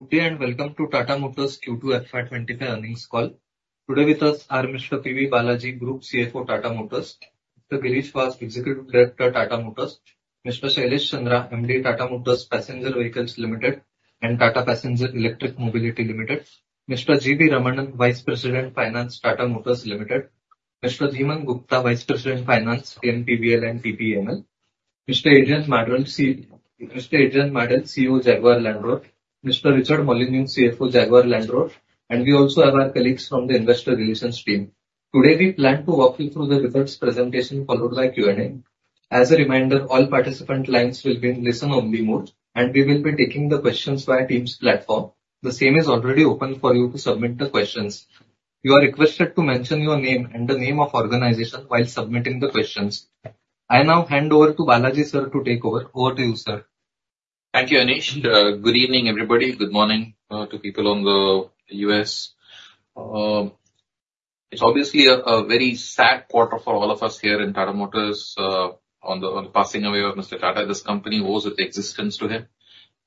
Good day and welcome to Tata Motors Q2 FY 2025 earnings call. Today with us are Mr. P.B. Balaji, Group CFO Tata Motors, Mr. Girish Wagh, Executive Director Tata Motors, Mr. Shailesh Chandra, MD Tata Motors Passenger Vehicles Limited and Tata Passenger Electric Mobility Limited, Mr. G.V. Ramanan, Vice President Finance Tata Motors Limited, Mr. Dhiman Gupta, Vice President Finance, TMPV and TPEM, Mr. Adrian Mardell, CEO Jaguar Land Rover, Mr. Richard Molyneux, CFO Jaguar Land Rover, and we also have our colleagues from the Investor Relations team. Today we plan to walk you through the results presentation followed by Q&A. As a reminder, all participant lines will be in listen-only mode, and we will be taking the questions via Teams platform. The same is already open for you to submit the questions. You are requested to mention your name and the name of the organization while submitting the questions. I now hand over to Balaji sir to take over. Over to you, sir. Thank you, Anish. Good evening, everybody. Good morning to people in the U.S. It's obviously a very sad quarter for all of us here in Tata Motors on the passing away of Mr. Tata. This company owes its existence to him,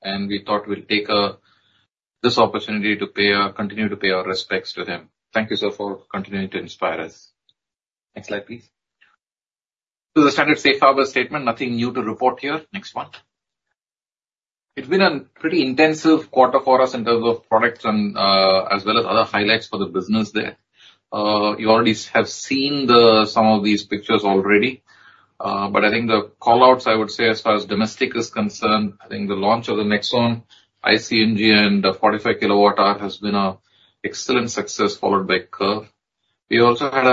and we thought we'd take this opportunity to continue to pay our respects to him. Thank you, sir, for continuing to inspire us. Next slide, please. The standard safe harbor statement, nothing new to report here. Next one. It's been a pretty intensive quarter for us in terms of products as well as other highlights for the business there. You already have seen some of these pictures already, but I think the callouts I would say as far as domestic is concerned, I think the launch of the Nexon iCNG and the 45 kWh has been an excellent success followed by Curvv. We also had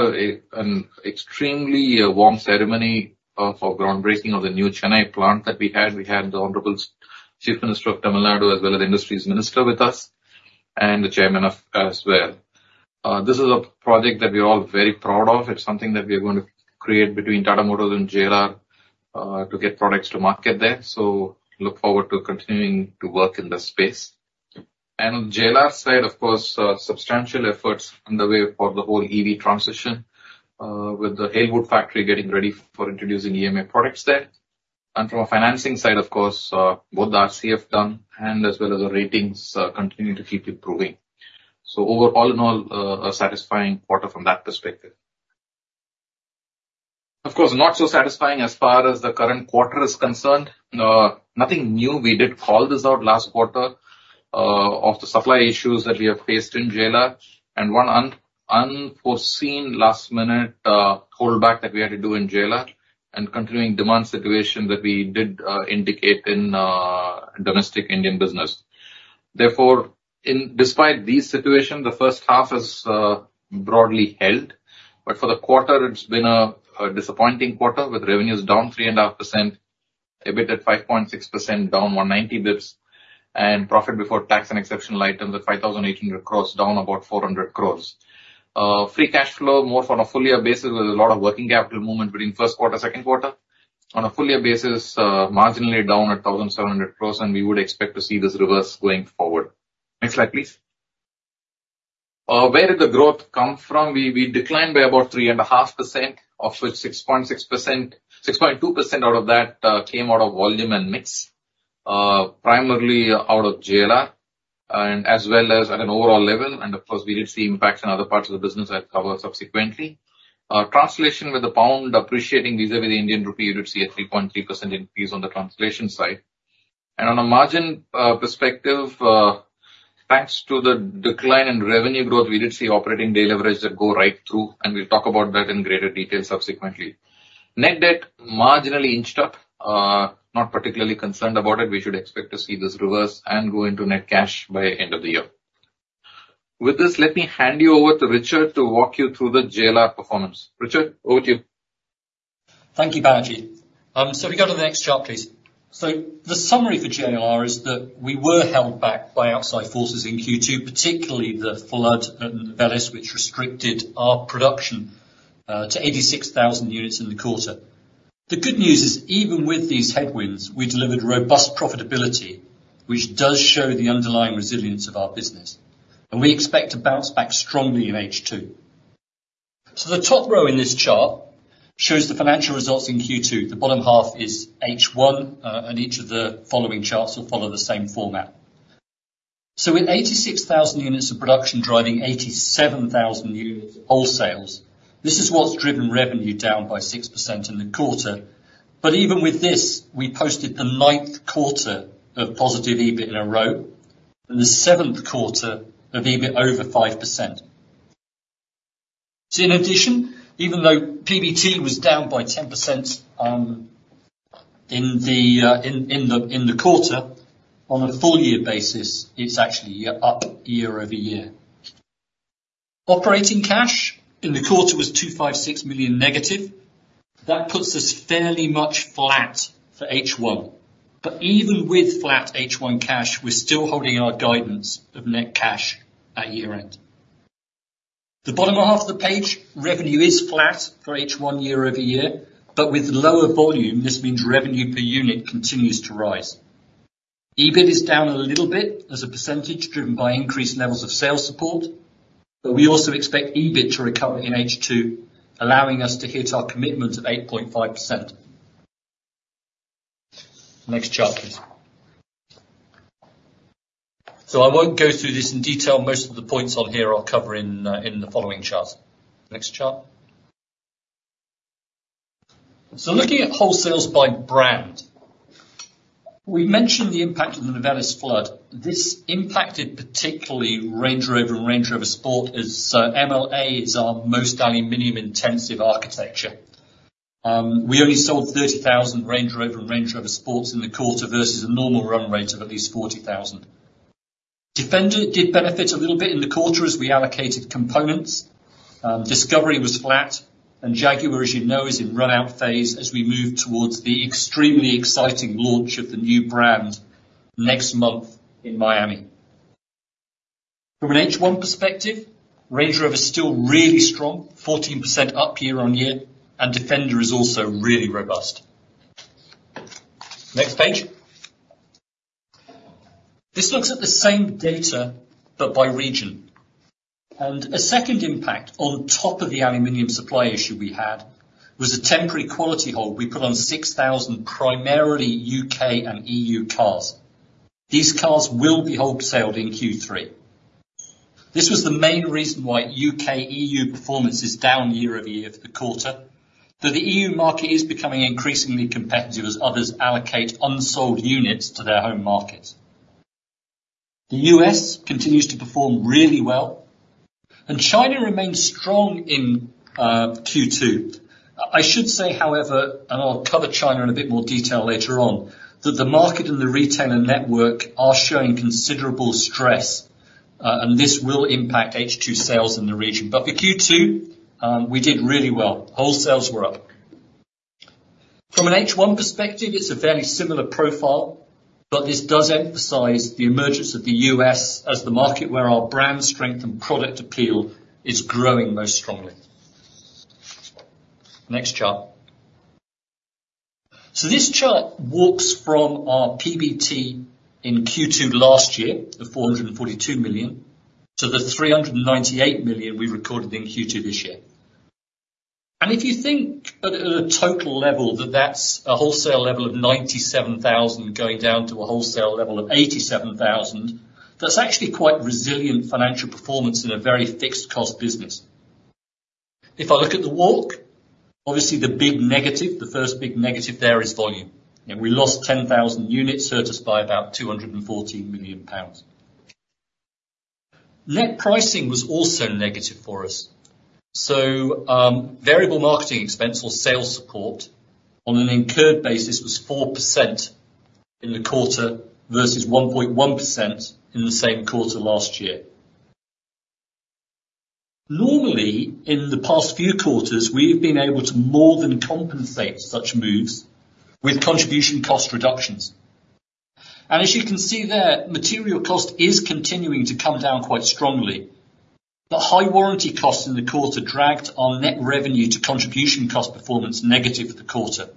an extremely warm ceremony for the groundbreaking of the new Chennai plant that we had. We had the Honorable Chief Minister of Tamil Nadu, as well as the Industries Minister, with us and the Chairman as well. This is a project that we are all very proud of. It's something that we are going to create between Tata Motors and JLR to get products to market there. So look forward to continuing to work in the space. And on the JLR side, of course, substantial efforts underway for the whole EV transition with the Halewood factory getting ready for introducing EMA products there. And from a financing side, of course, both the RCF done and as well as the ratings continue to keep improving. So overall, a satisfying quarter from that perspective. Of course, not so satisfying as far as the current quarter is concerned. Nothing new. We did call this out last quarter of the supply issues that we have faced in JLR and one unforeseen last-minute holdback that we had to do in JLR and continuing demand situation that we did indicate in domestic Indian business. Therefore, despite these situations, the first half is broadly held, but for the quarter, it's been a disappointing quarter with revenues down 3.5%, EBIT at 5.6%, down 190 basis points, and profit before tax and exceptional items at 5,800 crores, down about 400 crores. Free cash flow, more on a full-year basis with a lot of working capital movement between first quarter and second quarter. On a full-year basis, marginally down at 1,700 crores, and we would expect to see this reverse going forward. Next slide, please. Where did the growth come from? We declined by about 3.5%, of which 6.2% out of that came out of volume and mix, primarily out of JLR, as well as at an overall level. Of course, we did see impacts in other parts of the business I'll cover subsequently. On translation, with the pound appreciating vis-à-vis the Indian rupee, you did see a 3.3% increase on the translation side. On a margin perspective, thanks to the decline in revenue growth, we did see operating leverage that go right through, and we'll talk about that in greater detail subsequently. Net debt marginally inched up, not particularly concerned about it. We should expect to see this reverse and go into net cash by the end of the year. With this, let me hand you over to Richard to walk you through the JLR performance. Richard, over to you. Thank you, Balaji. So if you go to the next chart, please. So the summary for JLR is that we were held back by outside forces in Q2, particularly the flood at Novelis, which restricted our production to 86,000 units in the quarter. The good news is even with these headwinds, we delivered robust profitability, which does show the underlying resilience of our business. And we expect to bounce back strongly in H2. So the top row in this chart shows the financial results in Q2. The bottom half is H1, and each of the following charts will follow the same format. So with 86,000 units of production driving 87,000 units wholesales, this is what's driven revenue down by 6% in the quarter. But even with this, we posted the ninth quarter of positive EBIT in a row and the seventh quarter of EBIT over 5%. So in addition, even though PBT was down by 10% in the quarter, on a full-year basis, it's actually up year-over-year. Operating cash in the quarter was negative 256 million. That puts us fairly much flat for H1. But even with flat H1 cash, we're still holding our guidance of net cash at year-end. The bottom half of the page, revenue is flat for H1 year-over-year, but with lower volume, this means revenue per unit continues to rise. EBIT is down a little bit as a percentage driven by increased levels of sales support, but we also expect EBIT to recover in H2, allowing us to hit our commitment of 8.5%. Next chart, please. So I won't go through this in detail. Most of the points on here I'll cover in the following charts. Next chart. So looking at wholesales by brand, we mentioned the impact of the Novelis flood. This impacted particularly Range Rover and Range Rover Sport as MLA is our most aluminum-intensive architecture. We only sold 30,000 Range Rover and Range Rover Sports in the quarter versus a normal run rate of at least 40,000. Defender did benefit a little bit in the quarter as we allocated components. Discovery was flat, and Jaguar, as you know, is in run-out phase as we move towards the extremely exciting launch of the new brand next month in Miami. From an H1 perspective, Range Rover is still really strong, 14% up year-on-year, and Defender is also really robust. Next page. This looks at the same data but by region, and a second impact on top of the aluminum supply issue we had was a temporary quality hold. We put on 6,000 primarily UK and EU cars. These cars will be wholesaled in Q3. This was the main reason why UK/EU performance is down year-over-year for the quarter, though the EU market is becoming increasingly competitive as others allocate unsold units to their home market. The U.S. continues to perform really well, and China remains strong in Q2. I should say, however, and I'll cover China in a bit more detail later on, that the market and the retailer network are showing considerable stress, and this will impact H2 sales in the region. But for Q2, we did really well. Wholesales were up. From an H1 perspective, it's a fairly similar profile, but this does emphasize the emergence of the U.S. as the market where our brand strength and product appeal is growing most strongly. Next chart. This chart walks from our PBT in Q2 last year, the 442 million, to the 398 million we recorded in Q2 this year. If you think at a total level that that's a wholesale level of 97,000 going down to a wholesale level of 87,000, that's actually quite resilient financial performance in a very fixed-cost business. If I look at the walk, obviously the big negative, the first big negative there is volume. We lost 10,000 units hurt us by about 214 million pounds. Net pricing was also negative for us. Variable marketing expense or sales support on an incurred basis was 4% in the quarter versus 1.1% in the same quarter last year. Normally, in the past few quarters, we have been able to more than compensate such moves with contribution cost reductions. As you can see there, material cost is continuing to come down quite strongly. But high warranty costs in the quarter dragged our net revenue to contribution cost performance negative for the quarter.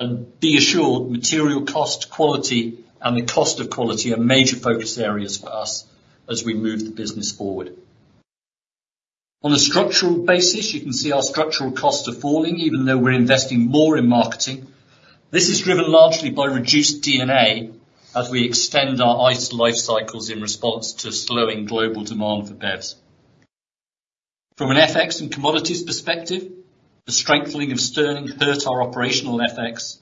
And be assured, material cost quality and the cost of quality are major focus areas for us as we move the business forward. On a structural basis, you can see our structural costs are falling even though we're investing more in marketing. This is driven largely by reduced D&A as we extend our ICE lifecycles in response to slowing global demand for BEVs. From an FX and commodities perspective, the strengthening of Sterling hurt our operational FX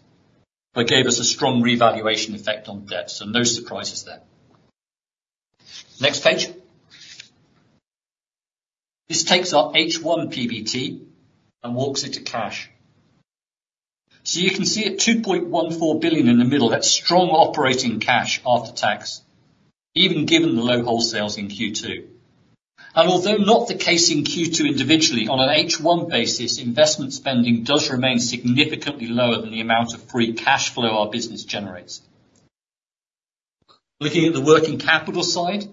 but gave us a strong revaluation effect on BEVs, so no surprises there. Next page. This takes our H1 PBT and walks it to cash. You can see at 2.14 billion in the middle, that's strong operating cash after tax, even given the low wholesales in Q2. And although not the case in Q2 individually, on an H1 basis, investment spending does remain significantly lower than the amount of free cash flow our business generates. Looking at the working capital side,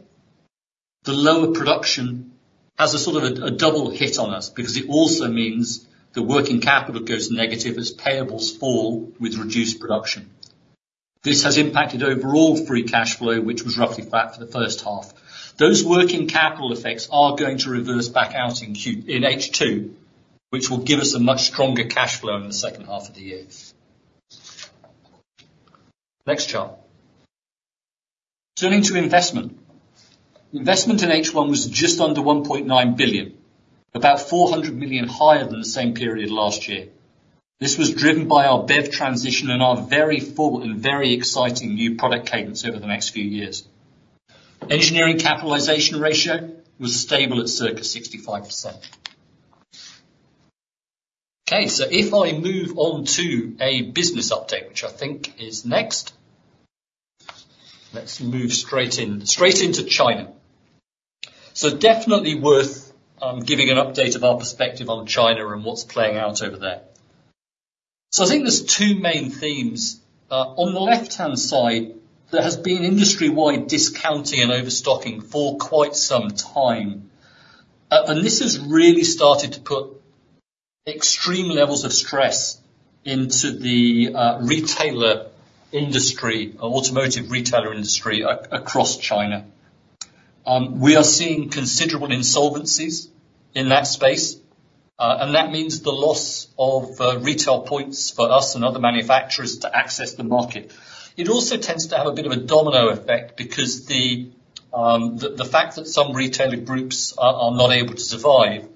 the lower production has a sort of a double hit on us because it also means the working capital goes negative as payables fall with reduced production. This has impacted overall free cash flow, which was roughly flat for the first half. Those working capital effects are going to reverse back out in H2, which will give us a much stronger cash flow in the second half of the year. Next chart. Turning to investment. Investment in H1 was just under 1.9 billion, about 400 million higher than the same period last year. This was driven by our BEV transition and our very full and very exciting new product cadence over the next few years. Engineering capitalization ratio was stable at circa 65%. Okay, so if I move on to a business update, which I think is next, let's move straight into China. So definitely worth giving an update of our perspective on China and what's playing out over there. So I think there's two main themes. On the left-hand side, there has been industry-wide discounting and overstocking for quite some time, and this has really started to put extreme levels of stress into the retailer industry, automotive retailer industry across China. We are seeing considerable insolvencies in that space, and that means the loss of retail points for us and other manufacturers to access the market. It also tends to have a bit of a domino effect because the fact that some retailer groups are not able to survive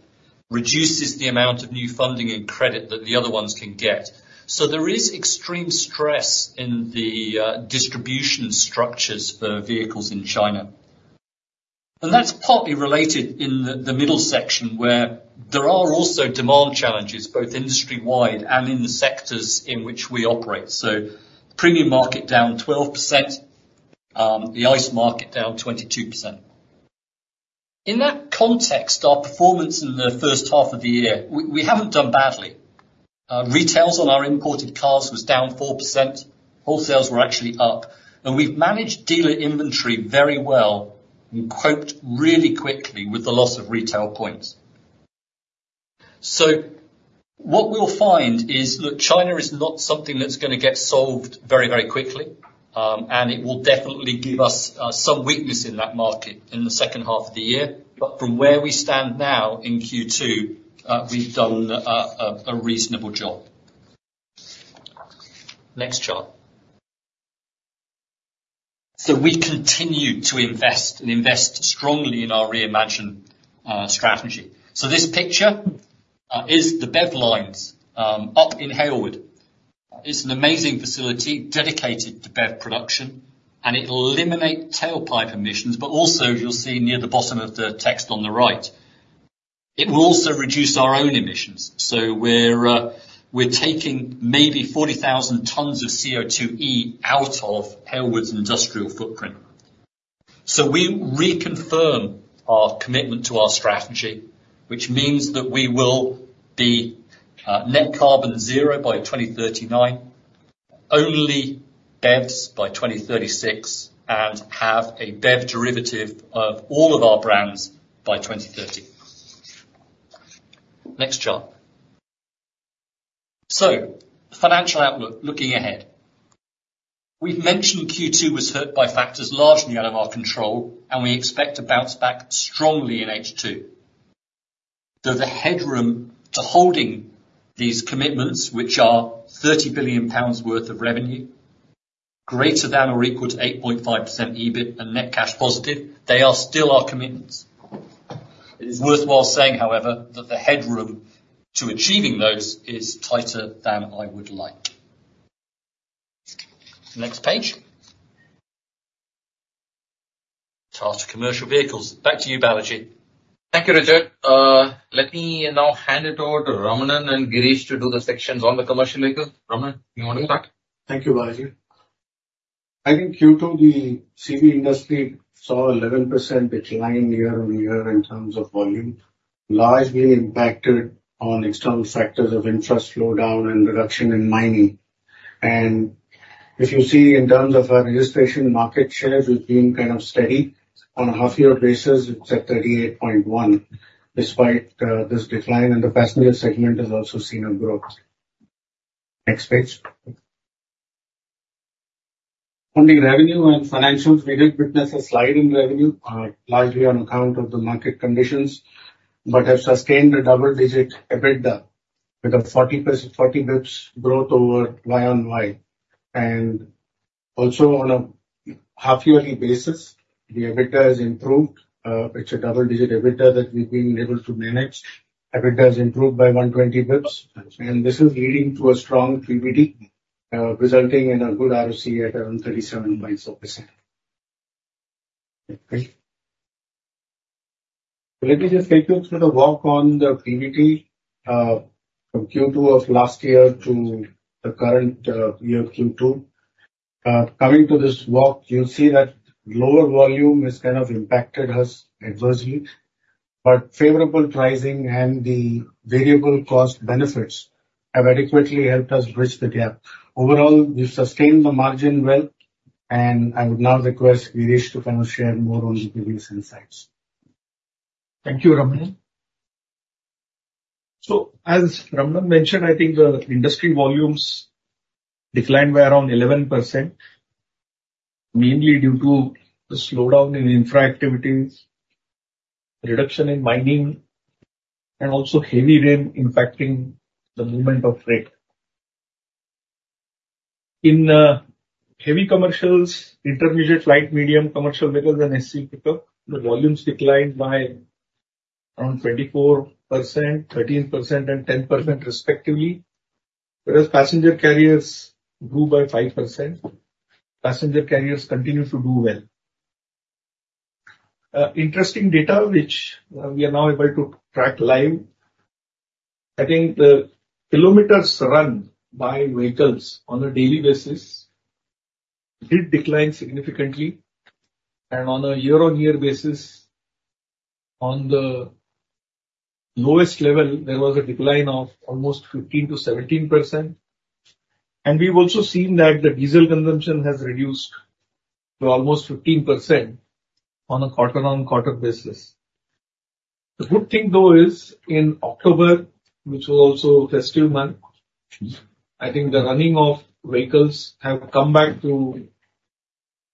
reduces the amount of new funding and credit that the other ones can get. So there is extreme stress in the distribution structures for vehicles in China. And that's partly related in the middle section where there are also demand challenges both industry-wide and in the sectors in which we operate. So premium market down 12%, the ICE market down 22%. In that context, our performance in the first half of the year, we haven't done badly. Retails on our imported cars was down 4%. Wholesales were actually up. And we've managed dealer inventory very well and coped really quickly with the loss of retail points. So what we'll find is that China is not something that's going to get solved very, very quickly, and it will definitely give us some weakness in that market in the second half of the year. But from where we stand now in Q2, we've done a reasonable job. Next chart. So we continue to invest and invest strongly in our reimagined strategy. So this picture is the BEV lineup in Halewood. It's an amazing facility dedicated to BEV production, and it will eliminate tailpipe emissions, but also you'll see near the bottom of the text on the right. It will also reduce our own emissions. So we're taking maybe 40,000 tons of CO2e out of Halewood's industrial footprint. So we reconfirm our commitment to our strategy, which means that we will be net carbon zero by 2039, only BEVs by 2036, and have a BEV derivative of all of our brands by 2030. Next chart. So financial outlook, looking ahead. We've mentioned Q2 was hurt by factors largely out of our control, and we expect to bounce back strongly in H2. Though the headroom to holding these commitments, which are 30 billion pounds worth of revenue, greater than or equal to 8.5% EBIT and net cash positive, they are still our commitments. It is worthwhile saying, however, that the headroom to achieving those is tighter than I would like. Next page. Tata Commercial Vehicles. Back to you, Balaji. Thank you, Richard. Let me now hand it over to Ramanan and Girish to do the sections on the commercial vehicles. Ramanan, you want to start? Thank you, Balaji. I think Q2, the CV industry saw a 11% decline year-on-year in terms of volume, largely impacted on external factors of interest slowdown and reduction in mining. If you see in terms of our registration market share, we've been kind of steady. On a half-year basis, it's at 38.1% despite this decline, and the passenger segment has also seen a growth. Next page. On the revenue and financials, we did witness a slide in revenue, largely on account of the market conditions, but have sustained a double-digit EBITDA with a 40 basis points growth over YOY. Also on a half-yearly basis, the EBITDA has improved. It's a double-digit EBITDA that we've been able to manage. EBITDA has improved by 120 basis points, and this is leading to a strong PBT, resulting in a good ROC at around 37.4%. Let me just take you through the walk on the PBT from Q2 of last year to the current year Q2. Coming to this walk, you'll see that lower volume has kind of impacted us adversely, but favorable pricing and the variable cost benefits have adequately helped us bridge the gap. Overall, we've sustained the margin well, and I would now request Girish to kind of share more on the product insights. Thank you, Ramanan. So as Ramanan mentioned, I think the industry volumes declined by around 11%, mainly due to the slowdown in infra activities, reduction in mining, and also heavy rain impacting the movement of freight. In heavy commercials, intermediate light, medium commercial vehicles, and SCV pickup, the volumes declined by around 24%, 13%, and 10% respectively, whereas passenger carriers grew by 5%. Passenger carriers continued to do well. Interesting data, which we are now able to track live. I think the kilometers run by vehicles on a daily basis did decline significantly, and on a year-on-year basis, on the lowest level, there was a decline of almost 15%-17%, and we've also seen that the diesel consumption has reduced to almost 15% on a quarter-on-quarter basis. The good thing, though, is in October, which was also a festive month, I think the running of vehicles has come back to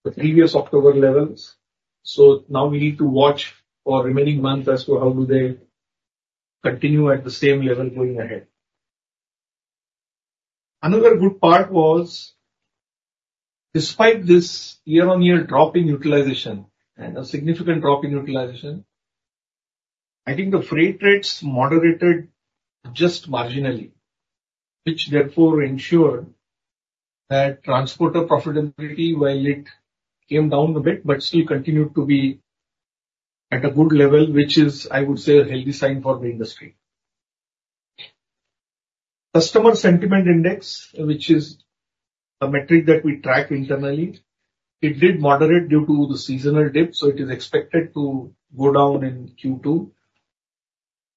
the previous October levels, so now we need to watch for remaining months as to how do they continue at the same level going ahead. Another good part was, despite this year-on-year drop in utilization and a significant drop in utilization, I think the freight rates moderated just marginally, which therefore ensured that transporter profitability, while it came down a bit, but still continued to be at a good level, which is, I would say, a healthy sign for the industry. Customer sentiment index, which is a metric that we track internally, it did moderate due to the seasonal dip, so it is expected to go down in Q2,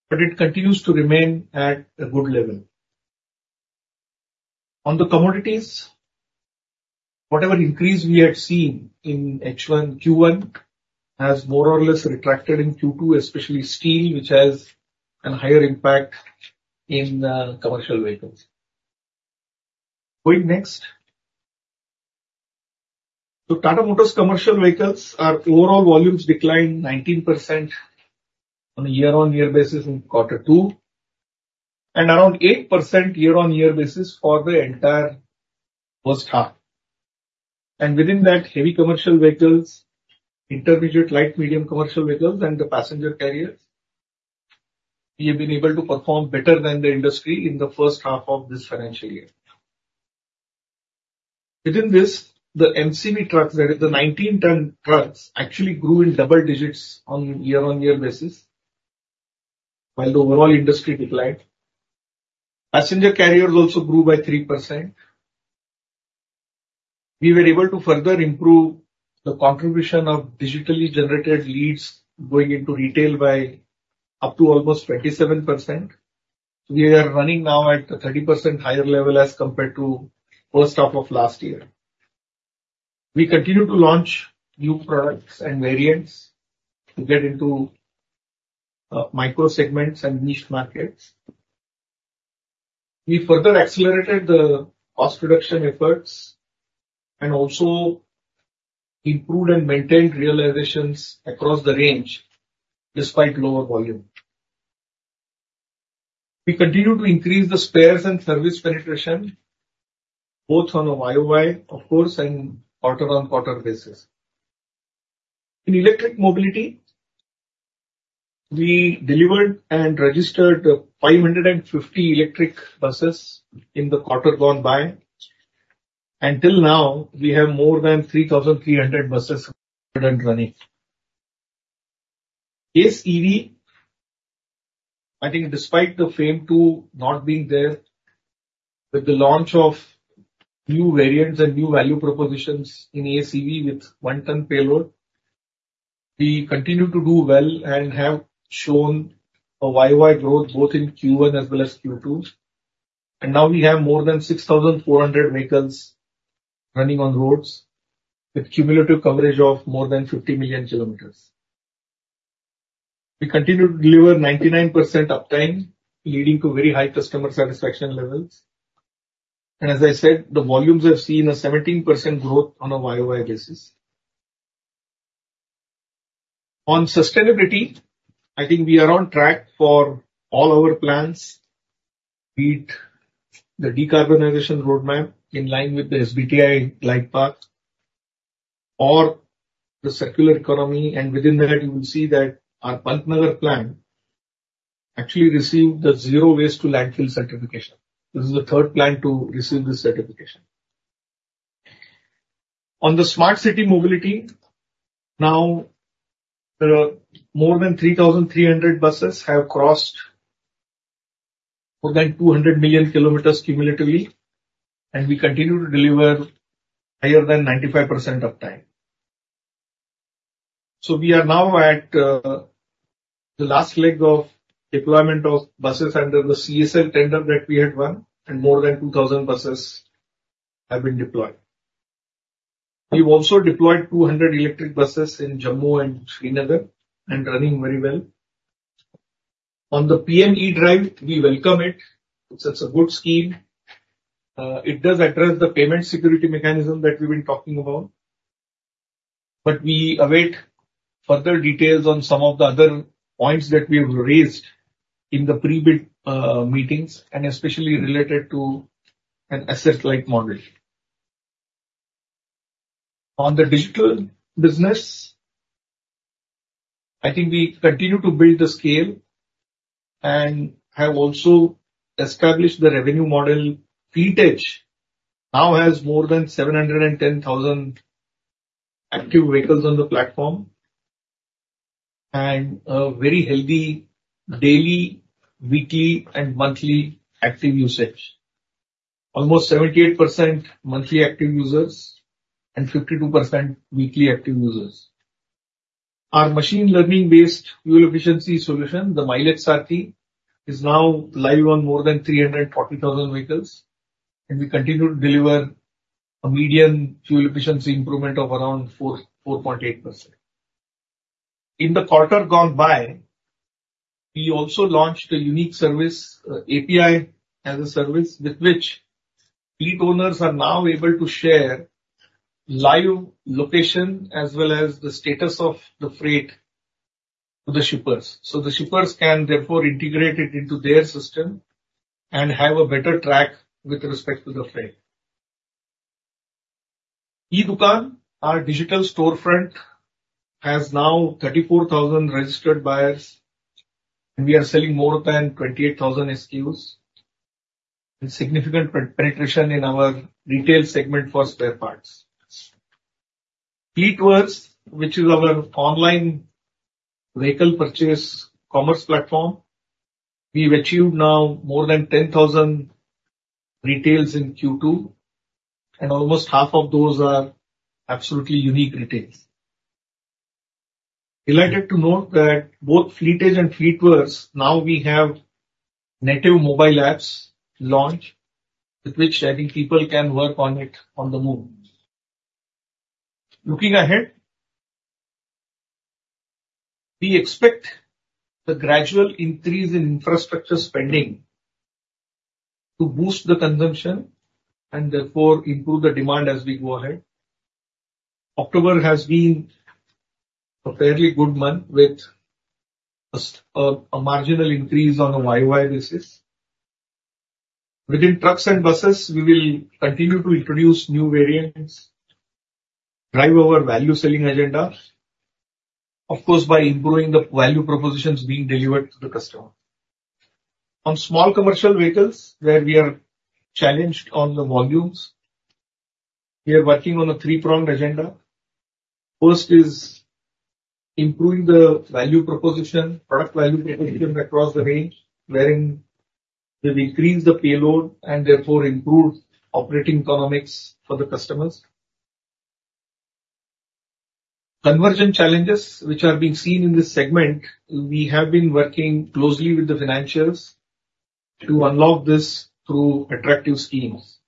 but it continues to remain at a good level. On the commodities, whatever increase we had seen in H1, Q1 has more or less retracted in Q2, especially steel, which has a higher impact in commercial vehicles. Going next. So Tata Motors commercial vehicles overall volumes declined 19% on a year-on-year basis in quarter two and around 8% year-on-year basis for the entire first half. And within that, heavy commercial vehicles, intermediate light, medium commercial vehicles, and the passenger carriers, we have been able to perform better than the industry in the first half of this financial year. Within this, the MCV trucks, that is the 19-ton trucks, actually grew in double digits on a year-on-year basis, while the overall industry declined. Passenger carriers also grew by 3%. We were able to further improve the contribution of digitally generated leads going into retail by up to almost 27%. We are running now at a 30% higher level as compared to the first half of last year. We continue to launch new products and variants to get into micro segments and niche markets. We further accelerated the cost reduction efforts and also improved and maintained realizations across the range despite lower volume. We continue to increase the spares and service penetration, both on a YOY, of course, and quarter-on-quarter basis. In electric mobility, we delivered and registered 550 electric buses in the quarter gone by. Until now, we have more than 3,300 buses running. Ace EV, I think despite the FAME II not being there, with the launch of new variants and new value propositions in Ace EV with one-ton payload, we continue to do well and have shown a YOY growth both in Q1 as well as Q2. And now we have more than 6,400 vehicles running on roads with cumulative coverage of more than 50 million kilometers. We continue to deliver 99% uptime, leading to very high customer satisfaction levels. And as I said, the volumes have seen a 17% growth on a YOY basis. On sustainability, I think we are on track for all our plans to meet the decarbonization roadmap in line with the SBTi glide path or the circular economy, and within that, you will see that our Pantnagar plant actually received the zero waste to landfill certification. This is the third plant to receive this certification. On the smart city mobility, now more than 3,300 buses have crossed more than 200 million kilometers cumulatively, and we continue to deliver higher than 95% uptime, so we are now at the last leg of deployment of buses under the CESL tender that we had won, and more than 2,000 buses have been deployed. We've also deployed 200 electric buses in Jammu and Srinagar and running very well. On the PM E-DRIVE, we welcome it. It's a good scheme. It does address the payment security mechanism that we've been talking about. But we await further details on some of the other points that we have raised in the pre-bid meetings and especially related to an asset-like model. On the digital business, I think we continue to build the scale and have also established the revenue model. Fleet Edge now has more than 710,000 active vehicles on the platform and a very healthy daily, weekly, and monthly active usage. Almost 78% monthly active users and 52% weekly active users. Our machine learning-based fuel efficiency solution, the Mileage Sarathi, is now live on more than 340,000 vehicles, and we continue to deliver a median fuel efficiency improvement of around 4.8%. In the quarter gone by, we also launched a unique service API as a service with which fleet owners are now able to share live location as well as the status of the freight to the shippers. So the shippers can therefore integrate it into their system and have a better track with respect to the freight. e-Dukaan, our digital storefront, has now 34,000 registered buyers, and we are selling more than 28,000 SKUs and significant penetration in our retail segment for spare parts. FleetWorks, which is our online vehicle purchase commerce platform, we've achieved now more than 10,000 retails in Q2, and almost half of those are absolutely unique retails. Delighted to note that both Fleet Edge and FleetWorks, now we have native mobile apps launched with which, I think, people can work on it on the move. Looking ahead, we expect the gradual increase in infrastructure spending to boost the consumption and therefore improve the demand as we go ahead. October has been a fairly good month with a marginal increase on a YOY basis. Within trucks and buses, we will continue to introduce new variants, drive our value selling agenda, of course, by improving the value propositions being delivered to the customer. On small commercial vehicles, where we are challenged on the volumes, we are working on a three-pronged agenda. First is improving the value proposition, product value proposition across the range, wherein we've increased the payload and therefore improved operating economics for the customers. Current challenges, which are being seen in this segment, we have been working closely with the financiers to unlock this through attractive schemes.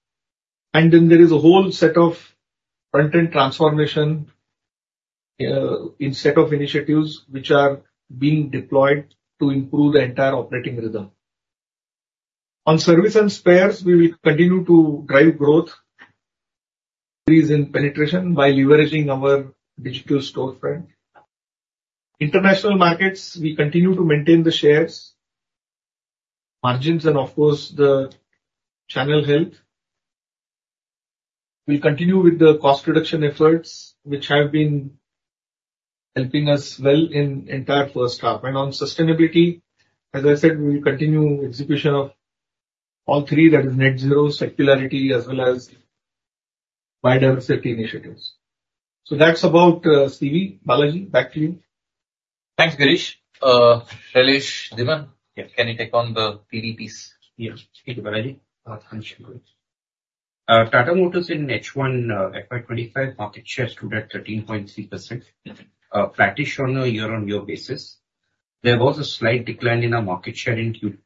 And then there is a whole set of front-end transformation initiatives which are being deployed to improve the entire operating rhythm. On service and spares, we will continue to drive growth, increase in penetration by leveraging our digital storefront. International markets, we continue to maintain the shares, margins, and of course, the channel health. We'll continue with the cost reduction efforts, which have been helping us well in the entire first half. And on sustainability, as I said, we'll continue execution of all three, that is net zero, circularity, as well as biodiversity initiatives. So that's about CV. Balaji, back to you. Thanks, Girish. Shailesh, Dhiman, can you take on the PV piece? Yeah. Thank you, Balaji. Tata Motors in H1, FY 2025 market share stood at 13.3%, flat-ish on a year-on-year basis. There was a slight decline in our market share due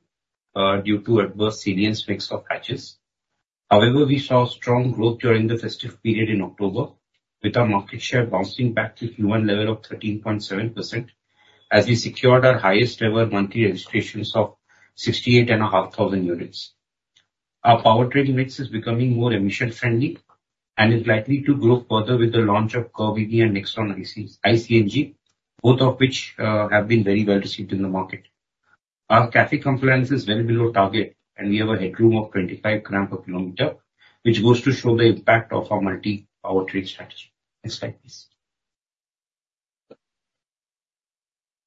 to adverse sales mix of variants. However, we saw strong growth during the festive period in October, with our market share bouncing back to Q1 level of 13.7% as we secured our highest-ever monthly registrations of 68,500 units. Our powertrain mix is becoming more emission-friendly and is likely to grow further with the launch of Curvv and Nexon iCNG, both of which have been very well received in the market. Our CAFE compliance is well below target, and we have a headroom of 25 grams per kilometer, which goes to show the impact of our multi-powertrain strategy. Next slide, please.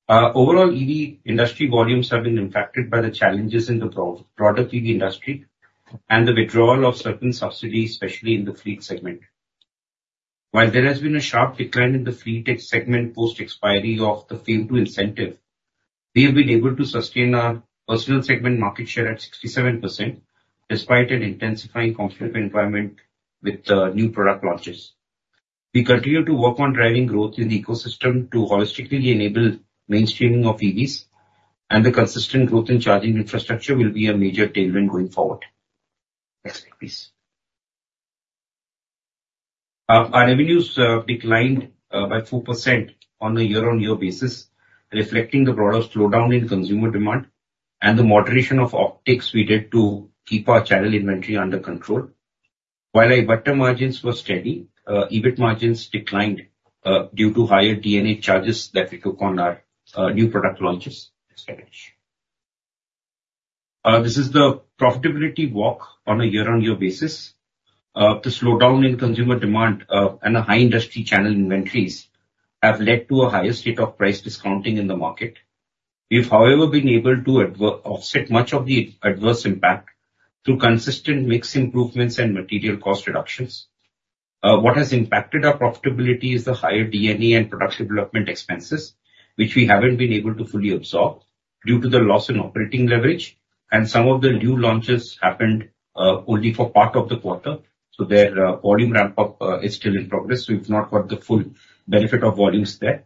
Overall, EV industry volumes have been impacted by the challenges in the broader EV industry and the withdrawal of certain subsidies, especially in the fleet segment. While there has been a sharp decline in the fleet segment post-expiry of the FAME II incentive, we have been able to sustain our personal segment market share at 67% despite an intensifying conflict environment with the new product launches. We continue to work on driving growth in the ecosystem to holistically enable mainstreaming of EVs, and the consistent growth in charging infrastructure will be a major tailwind going forward. Next slide, please. Our revenues declined by 4% on a year-on-year basis, reflecting the broader slowdown in consumer demand and the moderation of upticks we did to keep our channel inventory under control. While our EBITDA margins were steady, EBIT margins declined due to higher D&A charges that we took on our new product launches. Next slide, please. This is the profitability walk on a year-on-year basis. The slowdown in consumer demand and the high industry channel inventories have led to a higher state of price discounting in the market. We've, however, been able to offset much of the adverse impact through consistent mix improvements and material cost reductions. What has impacted our profitability is the higher D&A and product development expenses, which we haven't been able to fully absorb due to the loss in operating leverage, and some of the new launches happened only for part of the quarter. So their volume ramp-up is still in progress. We've not got the full benefit of volumes there.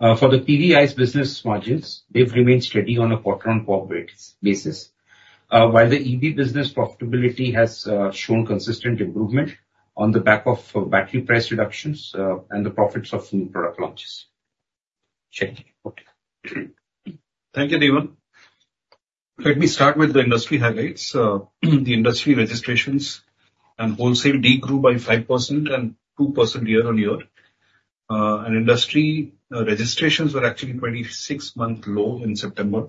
For the PV's business margins, they've remained steady on a quarter-on-quarter basis, while the EV business profitability has shown consistent improvement on the back of battery price reductions and the profits of new product launches. Shailesh, okay. Thank you, Dhiman. Let me start with the industry highlights. The industry registrations and wholesales de-grew by 5% and 2% year-on-year, and industry registrations were actually a 26-month low in September.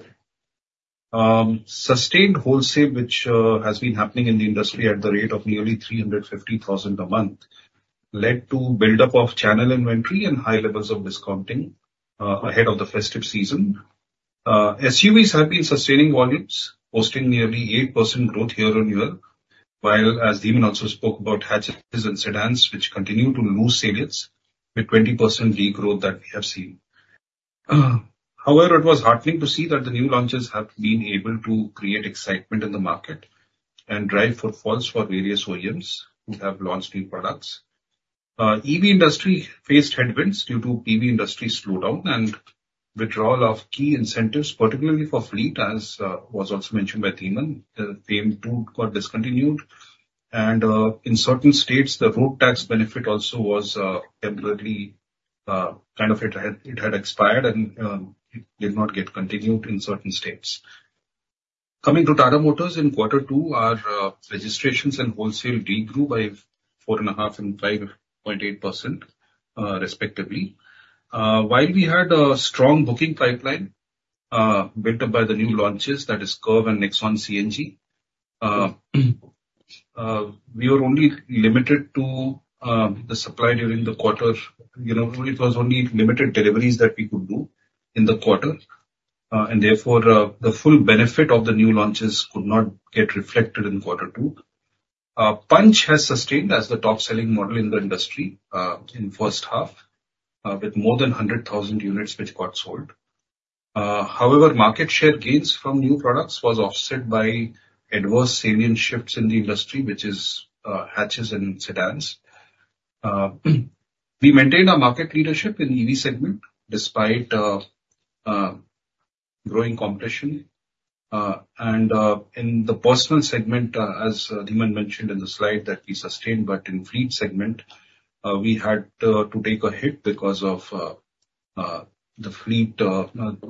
Sustained wholesale, which has been happening in the industry at the rate of nearly 350,000 a month, led to buildup of channel inventory and high levels of discounting ahead of the festive season. SUVs have been sustaining volumes, posting nearly 8% growth year-on-year, while, as Dhiman also spoke about, hatches and sedans, which continue to lose salience with 20% degrowth that we have seen. However, it was heartening to see that the new launches have been able to create excitement in the market and drive footfalls for various OEMs who have launched new products. EV industry faced headwinds due to PV industry slowdown and withdrawal of key incentives, particularly for fleet, as was also mentioned by Dhiman. FAME II got discontinued, and in certain states, the road tax benefit also was temporarily, kind of, it had expired and did not get continued in certain states. Coming to Tata Motors in quarter two, our registrations and wholesale degrow by 4.5% and 5.8%, respectively. While we had a strong booking pipeline built up by the new launches, that is Curvv and Nexon CNG, we were only limited to the supply during the quarter. It was only limited deliveries that we could do in the quarter, and therefore the full benefit of the new launches could not get reflected in quarter two. Punch has sustained as the top-selling model in the industry in the first half with more than 100,000 units which got sold. However, market share gains from new products were offset by adverse sales mix shifts in the industry, which is hatches and sedans. We maintained our market leadership in the EV segment despite growing competition. And in the passenger segment, as Dhiman mentioned in the slide, that we sustained, but in fleet segment, we had to take a hit because of the fleet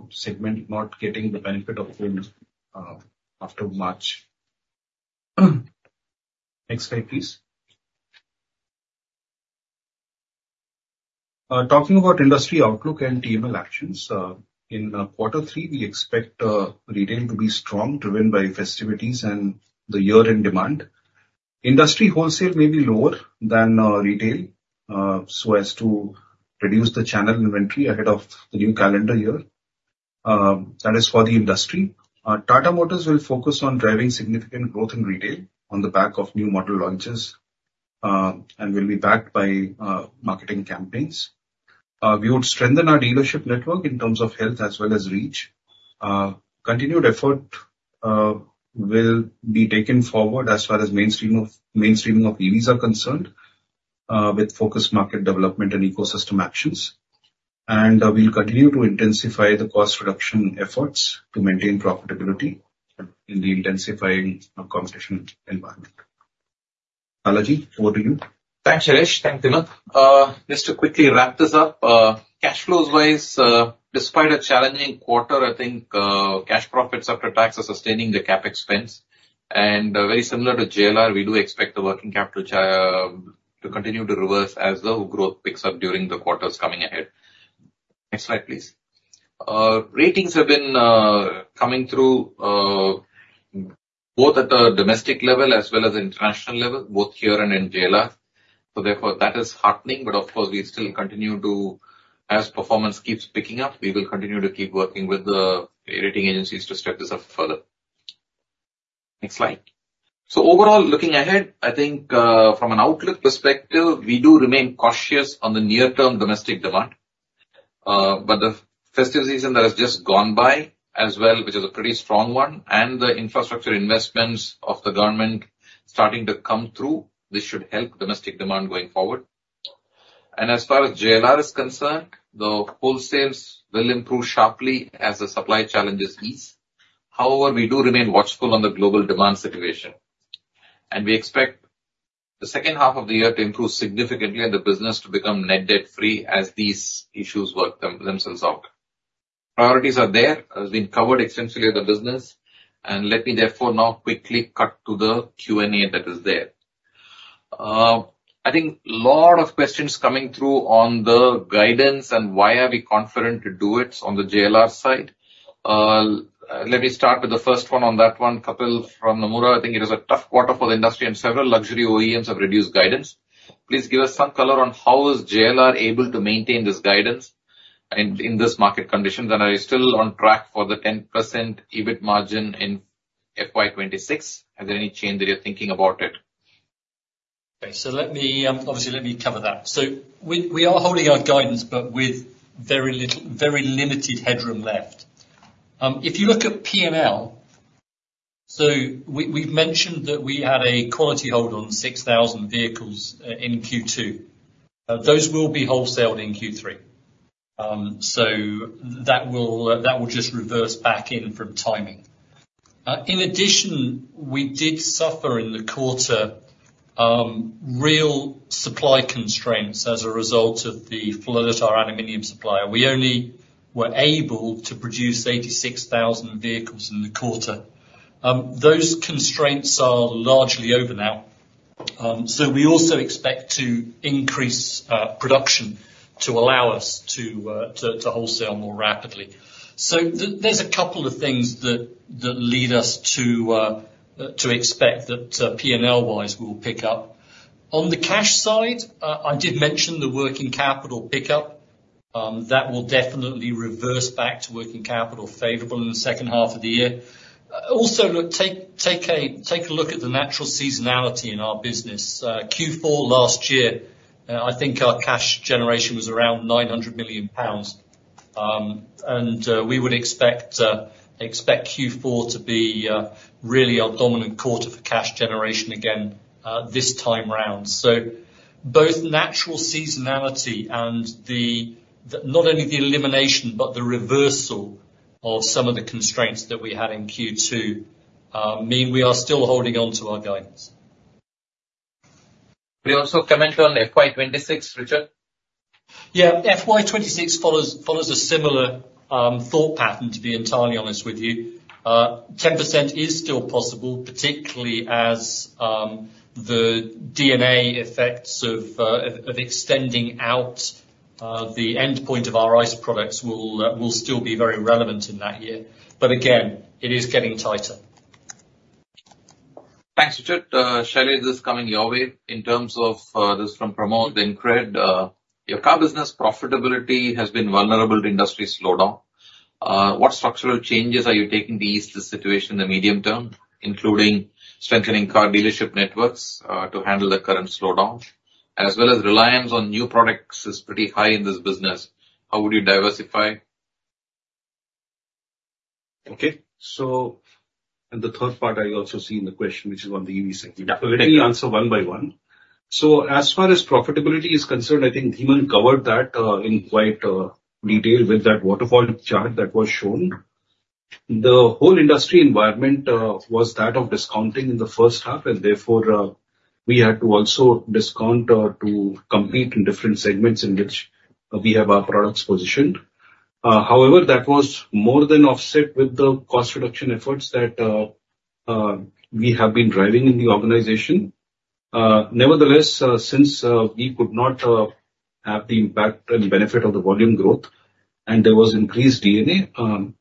segment not getting the benefit of FAME after March. Next slide, please. Talking about industry outlook and TML actions, in quarter three, we expect retail to be strong, driven by festivities and the year-end demand. Industry wholesale may be lower than retail so as to reduce the channel inventory ahead of the new calendar year. That is for the industry. Tata Motors will focus on driving significant growth in retail on the back of new model launches and will be backed by marketing campaigns. We would strengthen our dealership network in terms of health as well as reach. Continued effort will be taken forward as far as mainstreaming of EVs are concerned with focused market development and ecosystem actions. We'll continue to intensify the cost reduction efforts to maintain profitability in the intensifying competition environment. Balaji, over to you. Thanks, Shailesh. Thank you, Dhiman. Just to quickly wrap this up, cash flows-wise, despite a challenging quarter, I think cash profits after tax are sustaining the CapEx. Very similar to JLR, we do expect the working capital to continue to reverse as the growth picks up during the quarters coming ahead. Next slide, please. Ratings have been coming through both at a domestic level as well as an international level, both here and in JLR. Therefore, that is heartening. Of course, we still continue to, as performance keeps picking up, keep working with the rating agencies to step this up further. Next slide. So overall, looking ahead, I think from an outlook perspective, we do remain cautious on the near-term domestic demand. But the festive season that has just gone by as well, which is a pretty strong one, and the infrastructure investments of the government starting to come through, this should help domestic demand going forward. And as far as JLR is concerned, the wholesales will improve sharply as the supply challenges ease. However, we do remain watchful on the global demand situation. And we expect the second half of the year to improve significantly and the business to become net debt-free as these issues work themselves out. Priorities are there. It has been covered extensively at the business. And let me therefore now quickly cut to the Q&A that is there. I think a lot of questions coming through on the guidance and why are we confident to do it on the JLR side. Let me start with the first one on that one. Kapil from Nomura, I think it is a tough quarter for the industry, and several luxury OEMs have reduced guidance. Please give us some color on how is JLR able to maintain this guidance in this market condition, and are you still on track for the 10% EBIT margin in FY 2026? Has there any change that you're thinking about it? Okay. So obviously, let me cover that. So we are holding our guidance, but with very limited headroom left. If you look at P&L, so we've mentioned that we had a quality hold on 6,000 vehicles in Q2. Those will be wholesaled in Q3. So that will just reverse back in from timing. In addition, we did suffer in the quarter real supply constraints as a result of the flood at our aluminum supply. We only were able to produce 86,000 vehicles in the quarter. Those constraints are largely over now. So we also expect to increase production to allow us to wholesale more rapidly. So there's a couple of things that lead us to expect that PNL-wise will pick up. On the cash side, I did mention the working capital pickup. That will definitely reverse back to working capital favorable in the second half of the year. Also, take a look at the natural seasonality in our business. Q4 last year, I think our cash generation was around 900 million pounds, and we would expect Q4 to be really our dominant quarter for cash generation again this time round. So both natural seasonality and not only the elimination, but the reversal of some of the constraints that we had in Q2 mean we are still holding on to our guidance. We also commented on FY 2026, Richard. Yeah. FY 2026 follows a similar thought pattern, to be entirely honest with you. 10% is still possible, particularly as the D&A effects of extending out the endpoint of our ICE products will still be very relevant in that year. But again, it is getting tighter. Thanks, Richard. Shailesh, this is coming your way. In terms of this from Pramod and Craig, your car business profitability has been vulnerable to industry slowdown. What structural changes are you taking to ease this situation in the medium term, including strengthening car dealership networks to handle the current slowdown, as well as reliance on new products is pretty high in this business? How would you diversify? Okay, So in the third part, I also see in the question, which is on the EV segment. Let me answer one by one. So as far as profitability is concerned, I think Dhiman covered that in quite detail with that waterfall chart that was shown. The whole industry environment was that of discounting in the first half, and therefore we had to also discount to compete in different segments in which we have our products positioned. However, that was more than offset with the cost reduction efforts that we have been driving in the organization. Nevertheless, since we could not have the impact and benefit of the volume growth, and there was increased D&A,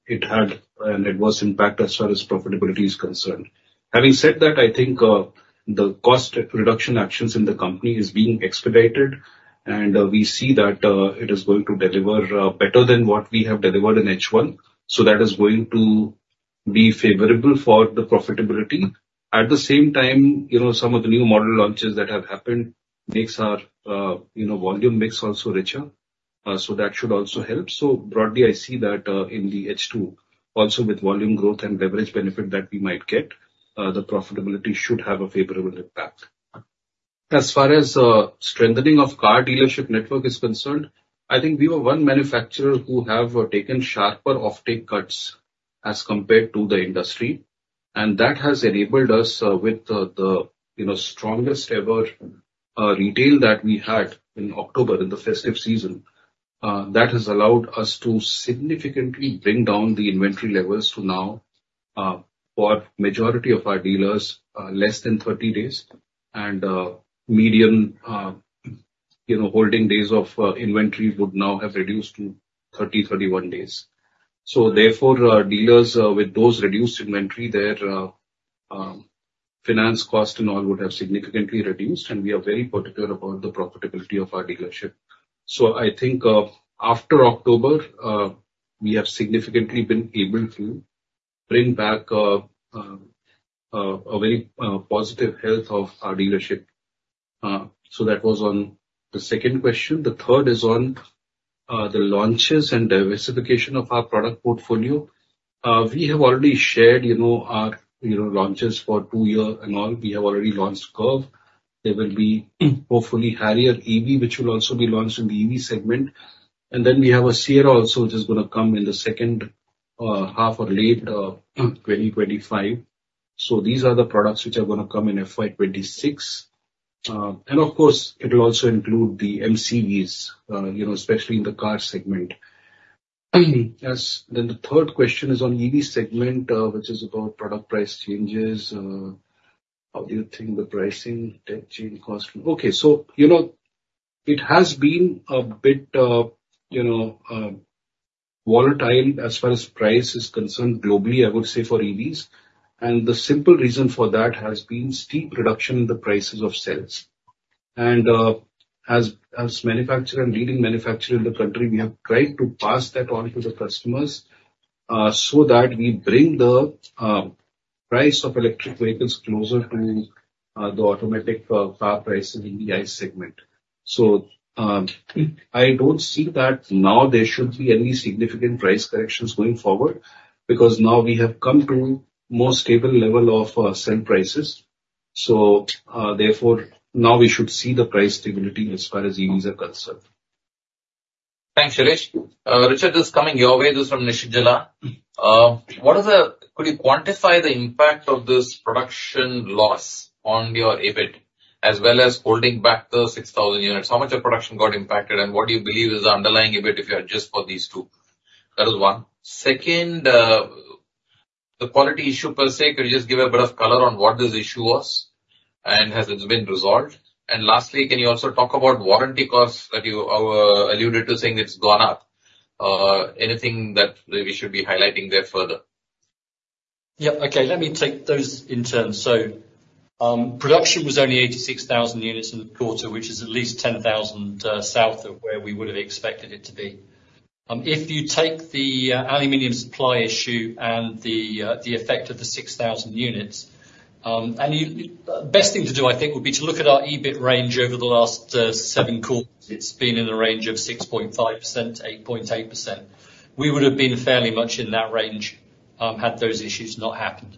it had an adverse impact as far as profitability is concerned. Having said that, I think the cost reduction actions in the company are being expedited, and we see that it is going to deliver better than what we have delivered in H1. So that is going to be favorable for the profitability. At the same time, some of the new model launches that have happened make our volume mix also richer. So that should also help. So broadly, I see that in the H2, also with volume growth and leverage benefit that we might get, the profitability should have a favorable impact. As far as strengthening of car dealership network is concerned, I think we were one manufacturer who has taken sharper offtake cuts as compared to the industry. And that has enabled us with the strongest-ever retail that we had in October in the festive season. That has allowed us to significantly bring down the inventory levels to now, for the majority of our dealers, less than 30 days. And median holding days of inventory would now have reduced to 30, 31 days. So therefore, dealers with those reduced inventory, their finance cost and all would have significantly reduced, and we are very particular about the profitability of our dealership. So I think after October, we have significantly been able to bring back a very positive health of our dealership. So that was on the second question. The third is on the launches and diversification of our product portfolio. We have already shared our launches for two years and all. We have already launched Curvv. There will be hopefully Harrier EV, which will also be launched in the EV segment. And then we have a Sierra also, which is going to come in the second half or late 2025. So these are the products which are going to come in FY 2026. And of course, it will also include the MCVs, especially in the car segment. Then the third question is on EV segment, which is about product price changes. How do you think the pricing, tech change, cost? Okay. So it has been a bit volatile as far as price is concerned globally, I would say, for EVs. And the simple reason for that has been steep reduction in the prices of cells. And as a manufacturer and leading manufacturer in the country, we have tried to pass that on to the customers so that we bring the price of electric vehicles closer to the auto car prices in the ICE segment. So I don't see that now there should be any significant price corrections going forward because now we have come to a more stable level of sale prices. So therefore, now we should see the price stability as far as EVs are concerned. Thanks, Shailesh. Richard is coming your way. This is from Nishith Jalan. Could you quantify the impact of this production loss on your EBIT as well as holding back the 6,000 units? How much of production got impacted, and what do you believe is the underlying EBIT if you adjust for these two? That is one. Second, the quality issue per se, could you just give a bit of color on what this issue was and has it been resolved? And lastly, can you also talk about warranty costs that you alluded to, saying it's gone up? Anything that we should be highlighting there further? Yeah. Okay. Let me take those in turn. So production was only 86,000 units in the quarter, which is at least 10,000 south of where we would have expected it to be. If you take the aluminum supply issue and the effect of the 6,000 units, the best thing to do, I think, would be to look at our EBIT range over the last seven quarters. It's been in the range of 6.5%-8.8%. We would have been fairly much in that range had those issues not happened.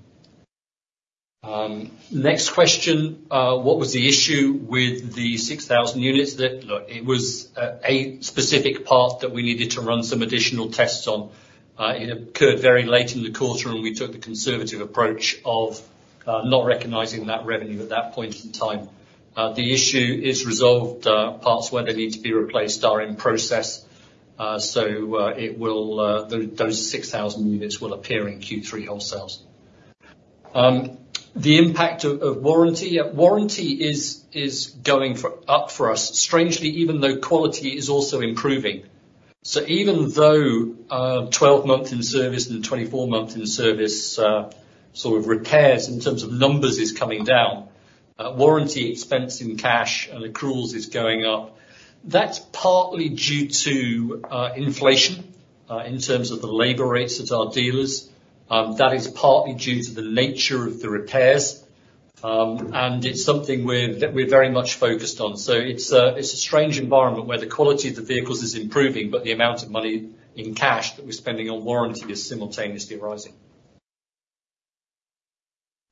Next question, what was the issue with the 6,000 units? Look, it was a specific part that we needed to run some additional tests on. It occurred very late in the quarter, and we took the conservative approach of not recognizing that revenue at that point in time. The issue is resolved. Parts where they need to be replaced are in process. So those 6,000 units will appear in Q3 wholesales. The impact of warranty? Yeah. Warranty is going up for us, strangely, even though quality is also improving. So even though 12-month in service and 24-month in service sort of repairs in terms of numbers is coming down, warranty expense in cash and accruals is going up. That's partly due to inflation in terms of the labor rates at our dealers. That is partly due to the nature of the repairs. And it's something we're very much focused on. So it's a strange environment where the quality of the vehicles is improving, but the amount of money in cash that we're spending on warranty is simultaneously rising.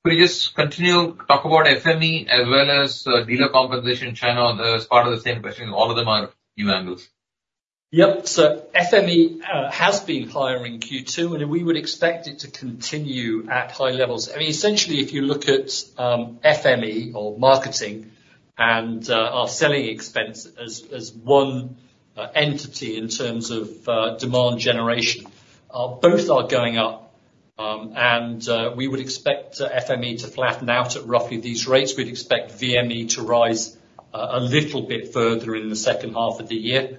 Could you just continue to talk about FME as well as dealer compensation in China as part of the same question? All of them are new angles. Yep. FME has been higher in Q2, and we would expect it to continue at high levels. I mean, essentially, if you look at FME or marketing and our selling expense as one entity in terms of demand generation, both are going up. And we would expect FME to flatten out at roughly these rates. We'd expect VME to rise a little bit further in the second half of the year.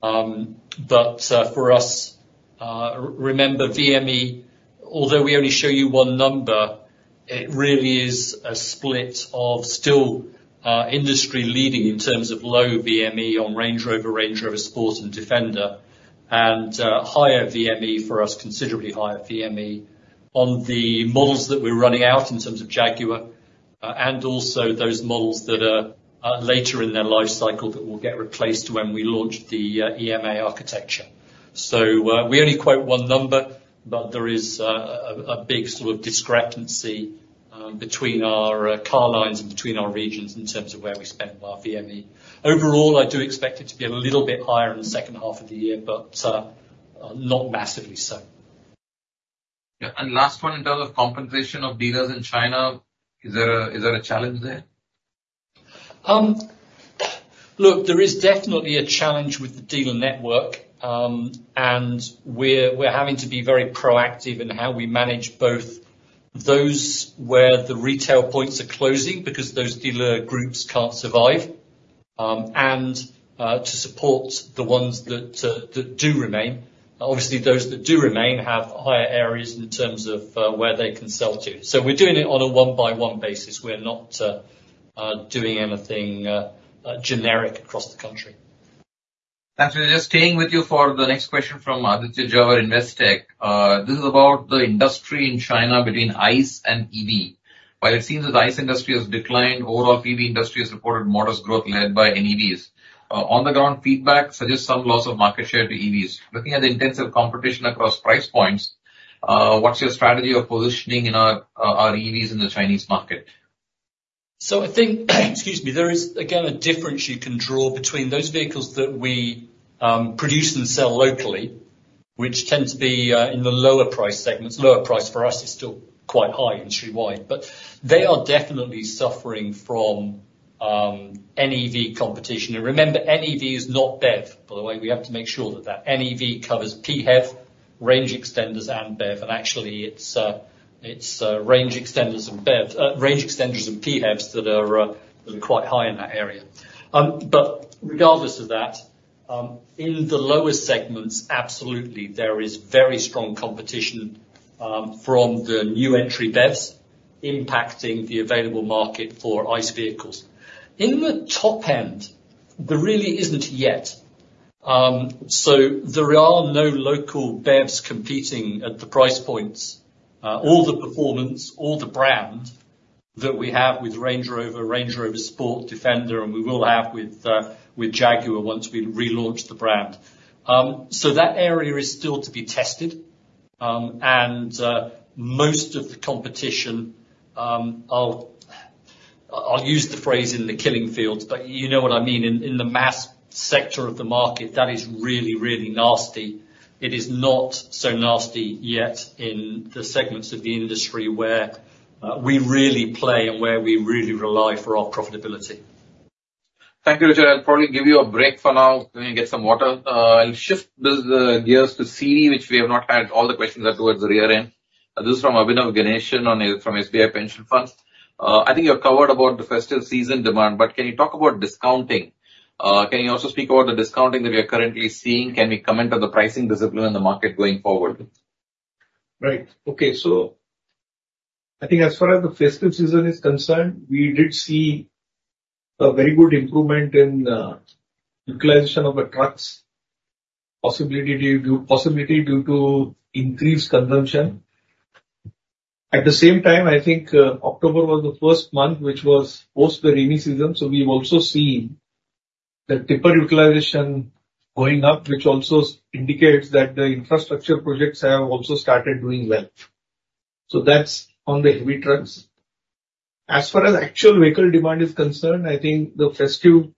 But for us, remember, VME, although we only show you one number, it really is a split of still industry-leading in terms of low VME on Range Rover, Range Rover Sport, and Defender, and higher VME for us, considerably higher VME on the models that we're running out in terms of Jaguar and also those models that are later in their life cycle that will get replaced when we launch the EMA architecture. So we only quote one number, but there is a big sort of discrepancy between our car lines and between our regions in terms of where we spend our VME. Overall, I do expect it to be a little bit higher in the second half of the year, but not massively so. Yeah. And last one, in terms of compensation of dealers in China, is there a challenge there? Look, there is definitely a challenge with the dealer network. And we're having to be very proactive in how we manage both those where the retail points are closing because those dealer groups can't survive and to support the ones that do remain. Obviously, those that do remain have higher areas in terms of where they can sell to. So we're doing it on a one-by-one basis. We're not doing anything generic across the country. Thanks, Richard. Just staying with you for the next question from Aditya Jhawar at Investec. This is about the industry in China between ICE and EV. While it seems that the ICE industry has declined, overall PV industry has reported modest growth led by NEVs. On-the-ground feedback suggests some loss of market share to EVs. Looking at the intensive competition across price points, what's your strategy of positioning our EVs in the Chinese market? So I think, excuse me, there is, again, a difference you can draw between those vehicles that we produce and sell locally, which tend to be in the lower-priced segments. Lower price for us is still quite high industry-wide. But they are definitely suffering from NEV competition. And remember, NEV is not BEV, by the way. We have to make sure that that NEV covers PHEV, range extenders, and BEV. And actually, it's range extenders and PHEVs that are quite high in that area. But regardless of that, in the lower segments, absolutely, there is very strong competition from the new entry BEVs impacting the available market for ICE vehicles. In the top end, there really isn't yet. So there are no local BEVs competing at the price points, all the performance, all the brand that we have with Range Rover, Range Rover Sport, Defender, and we will have with Jaguar once we relaunch the brand. So that area is still to be tested. And most of the competition, I'll use the phrase in the killing fields, but you know what I mean, in the mass sector of the market, that is really, really nasty. It is not so nasty yet in the segments of the industry where we really play and where we really rely for our profitability. Thank you, Richard. I'll probably give you a break for now. Let me get some water. I'll shift the gears to CV, which we have not had all the questions up towards the rear end. This is from Abhinav Ganesan from SBI Pension Funds. I think you covered about the festive season demand, but can you talk about discounting? Can you also speak about the discounting that we are currently seeing? Can we comment on the pricing discipline in the market going forward? Right. Okay. So I think as far as the festive season is concerned, we did see a very good improvement in utilization of the trucks, possibly due to increased consumption. At the same time, I think October was the first month which was post the rainy season. So we've also seen the tipper utilization going up, which also indicates that the infrastructure projects have also started doing well. So that's on the heavy trucks. As far as actual vehicle demand is concerned, I think the festive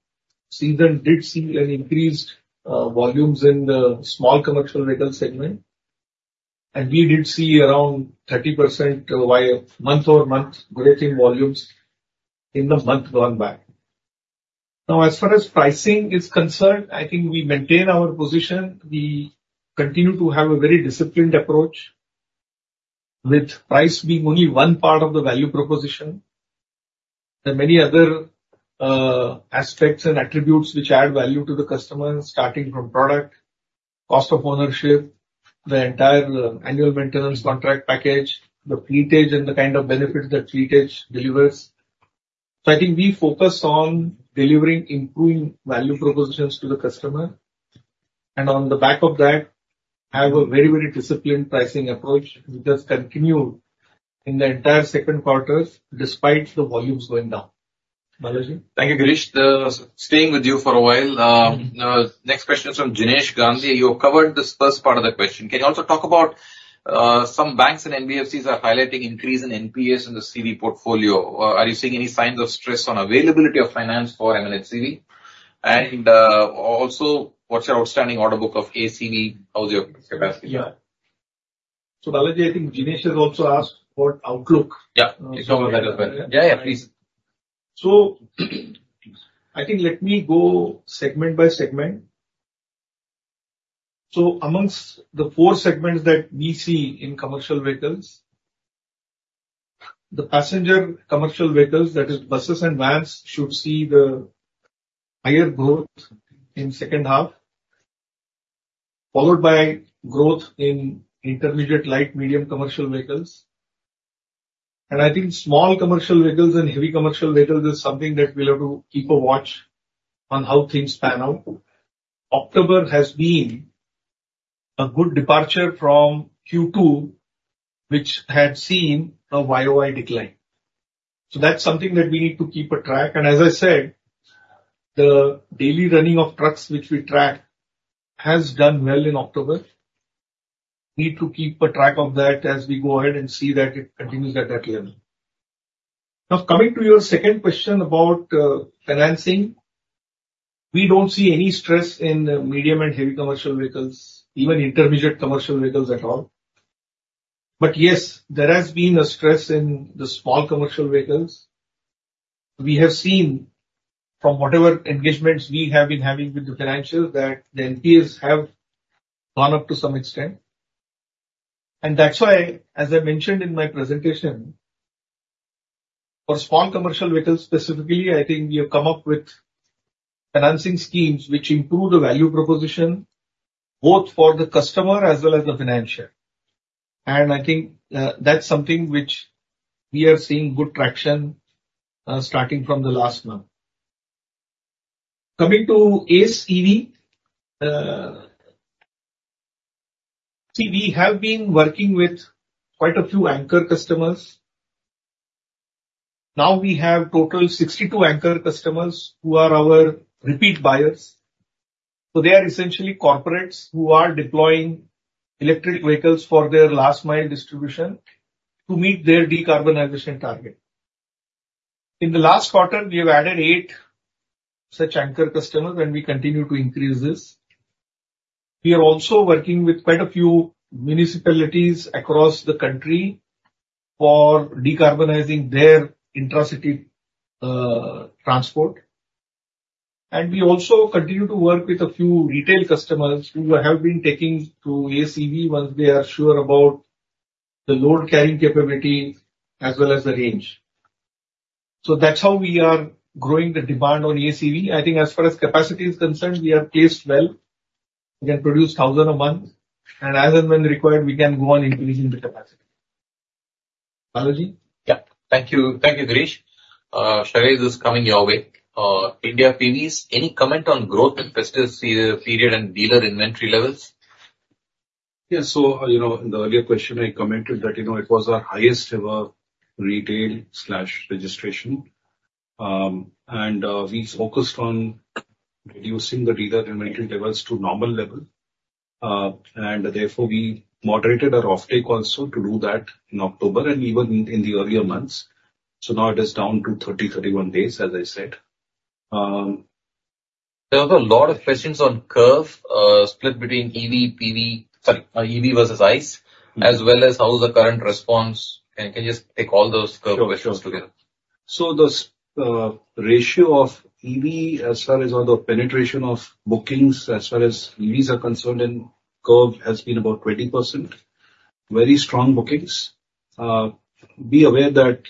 season did see an increased volumes in the small commercial vehicle segment. And we did see around 30% month-over-month growth in volumes in the month gone by. Now, as far as pricing is concerned, I think we maintain our position. We continue to have a very disciplined approach with price being only one part of the value proposition. There are many other aspects and attributes which add value to the customer, starting from product, cost of ownership, the entire annual maintenance contract package, the Fleet Edge, and the kind of benefits that Fleet Edge delivers. So I think we focus on delivering improving value propositions to the customer. And on the back of that, have a very, very disciplined pricing approach which has continued in the entire second quarter despite the volumes going down. Balaji? Thank you, Girish. Staying with you for a while. Next question is from Jinesh Gandhi. You covered this first part of the question. Can you also talk about some banks and NBFCs are highlighting increase in NPAs in the CV portfolio? Are you seeing any signs of stress on availability of finance for M&H CV? And also, what's your outstanding order book of Ace EV? How's your capacity there? Yeah. So Balaji, I think Jinesh has also asked about outlook. Yeah. Let me talk about that as well. Yeah, yeah, please. So I think let me go segment by segment. Amongst the four segments that we see in commercial vehicles, the passenger commercial vehicles, that is, buses and vans, should see the higher growth in second half, followed by growth in intermediate light, medium commercial vehicles. And I think small commercial vehicles and heavy commercial vehicles is something that we'll have to keep a watch on how things pan out. October has been a good departure from Q2, which had seen a YOY decline. So that's something that we need to keep a track. And as I said, the daily running of trucks which we track has done well in October. We need to keep a track of that as we go ahead and see that it continues at that level. Now, coming to your second question about financing, we don't see any stress in medium and heavy commercial vehicles, even intermediate commercial vehicles at all. But yes, there has been a stress in the small commercial vehicles. We have seen from whatever engagements we have been having with the financials that the NPAs have gone up to some extent. And that's why, as I mentioned in my presentation, for small commercial vehicles specifically, I think we have come up with financing schemes which improve the value proposition both for the customer as well as the financier. And I think that's something which we are seeing good traction starting from the last month. Coming to Ace EV, see, we have been working with quite a few anchor customers. Now we have total 62 anchor customers who are our repeat buyers. So they are essentially corporates who are deploying electric vehicles for their last-mile distribution to meet their decarbonization target. In the last quarter, we have added eight such anchor customers, and we continue to increase this. We are also working with quite a few municipalities across the country for decarbonizing their intra-city transport. And we also continue to work with a few retail customers who have been taking to Ace EV once they are sure about the load-carrying capability as well as the range. So that's how we are growing the demand on Ace EV. I think as far as capacity is concerned, we are placed well. We can produce 1,000 a month. And as and when required, we can go on increasing the capacity. Balaji? Yeah. Thank you, Girish. Shailesh is coming your way. India PVs, any comment on growth in festive period and dealer inventory levels? Yeah. So in the earlier question, I commented that it was our highest-ever retail/registration. And we focused on reducing the dealer inventory levels to normal level. Therefore, we moderated our offtake also to do that in October and even in the earlier months. Now it is down to 30, 31 days, as I said. There are a lot of questions on Curvv split between EV versus ICE, as well as how's the Curvv response. Can you just take all those Curvv questions together? The ratio of EV, as far as all the penetration of bookings as far as EVs are concerned in Curvv, has been about 20%. Very strong bookings. Be aware that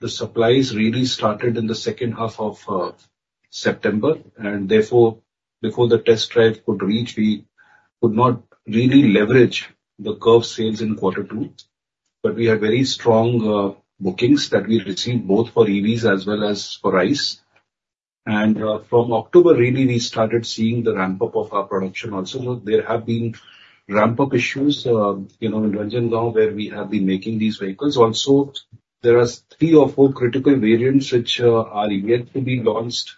the supplies really started in the second half of September. Therefore, before the test drive could reach, we could not really leverage the Curvv sales in quarter two. We had very strong bookings that we received both for EVs as well as for ICE. From October, really, we started seeing the ramp-up of our production also. There have been ramp-up issues in Ranjangaon where we have been making these vehicles. Also, there are three or four critical variants which are yet to be launched.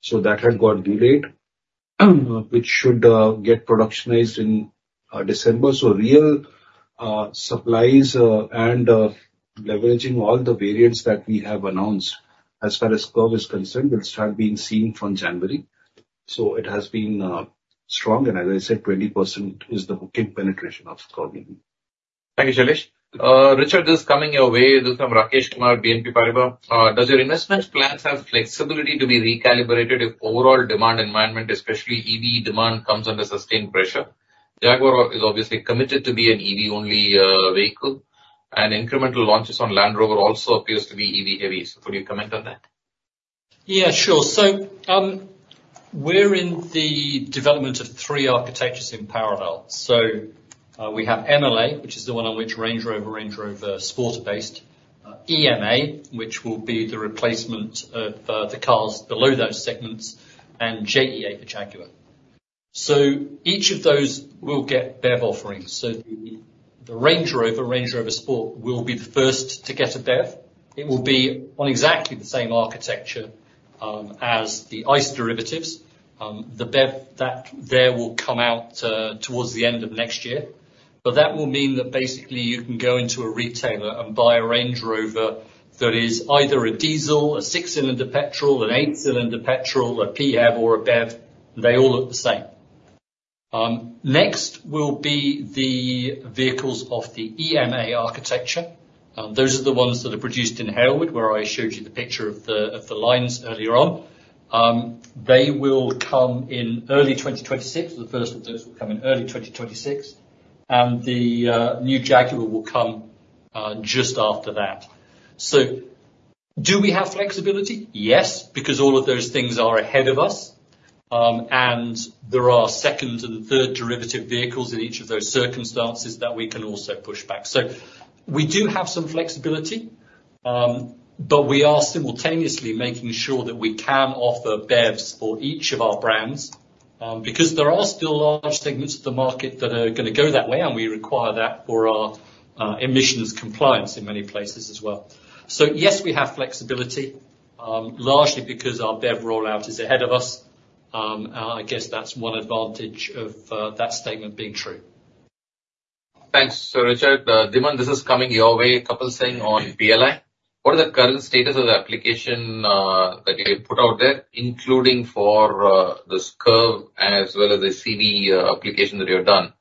So that had got delayed, which should get productionized in December. So real supplies and leveraging all the variants that we have announced as far as Curvv is concerned will start being seen from January. So it has been strong. And as I said, 20% is the booking penetration of Curvv EV. Thank you, Shailesh. Richard is coming your way. This is from Kumar Rakesh, BNP Paribas. Does your investment plans have flexibility to be recalibrated if overall demand environment, especially EV demand, comes under sustained pressure? Jaguar is obviously committed to be an EV-only vehicle. And incremental launches on Land Rover also appears to be EV-heavy. So could you comment on that? Yeah, sure. We're in the development of three architectures in parallel. We have MLA, which is the one on which Range Rover, Range Rover Sport are based, EMA, which will be the replacement of the cars below those segments, and JEA for Jaguar. Each of those will get BEV offerings. The Range Rover, Range Rover Sport will be the first to get a BEV. It will be on exactly the same architecture as the ICE derivatives. The BEV there will come out towards the end of next year. That will mean that basically you can go into a retailer and buy a Range Rover that is either a diesel, a six-cylinder petrol, an eight-cylinder petrol, a PHEV, or a BEV. They all look the same. Next will be the vehicles of the EMA architecture. Those are the ones that are produced in Halewood, where I showed you the picture of the lines earlier on. They will come in early 2026. The first of those will come in early 2026, and the new Jaguar will come just after that. So, do we have flexibility? Yes, because all of those things are ahead of us, and there are second and third derivative vehicles in each of those circumstances that we can also push back. So, we do have some flexibility. But we are simultaneously making sure that we can offer BEVs for each of our brands because there are still large segments of the market that are going to go that way, and we require that for our emissions compliance in many places as well. So, yes, we have flexibility, largely because our BEV rollout is ahead of us. I guess that's one advantage of that statement being true. Thanks. So Richard, Dhiman, this is coming your way. Couple things on PLI. What is the current status of the application that you put out there, including for this Curvv as well as the CV application that you have done?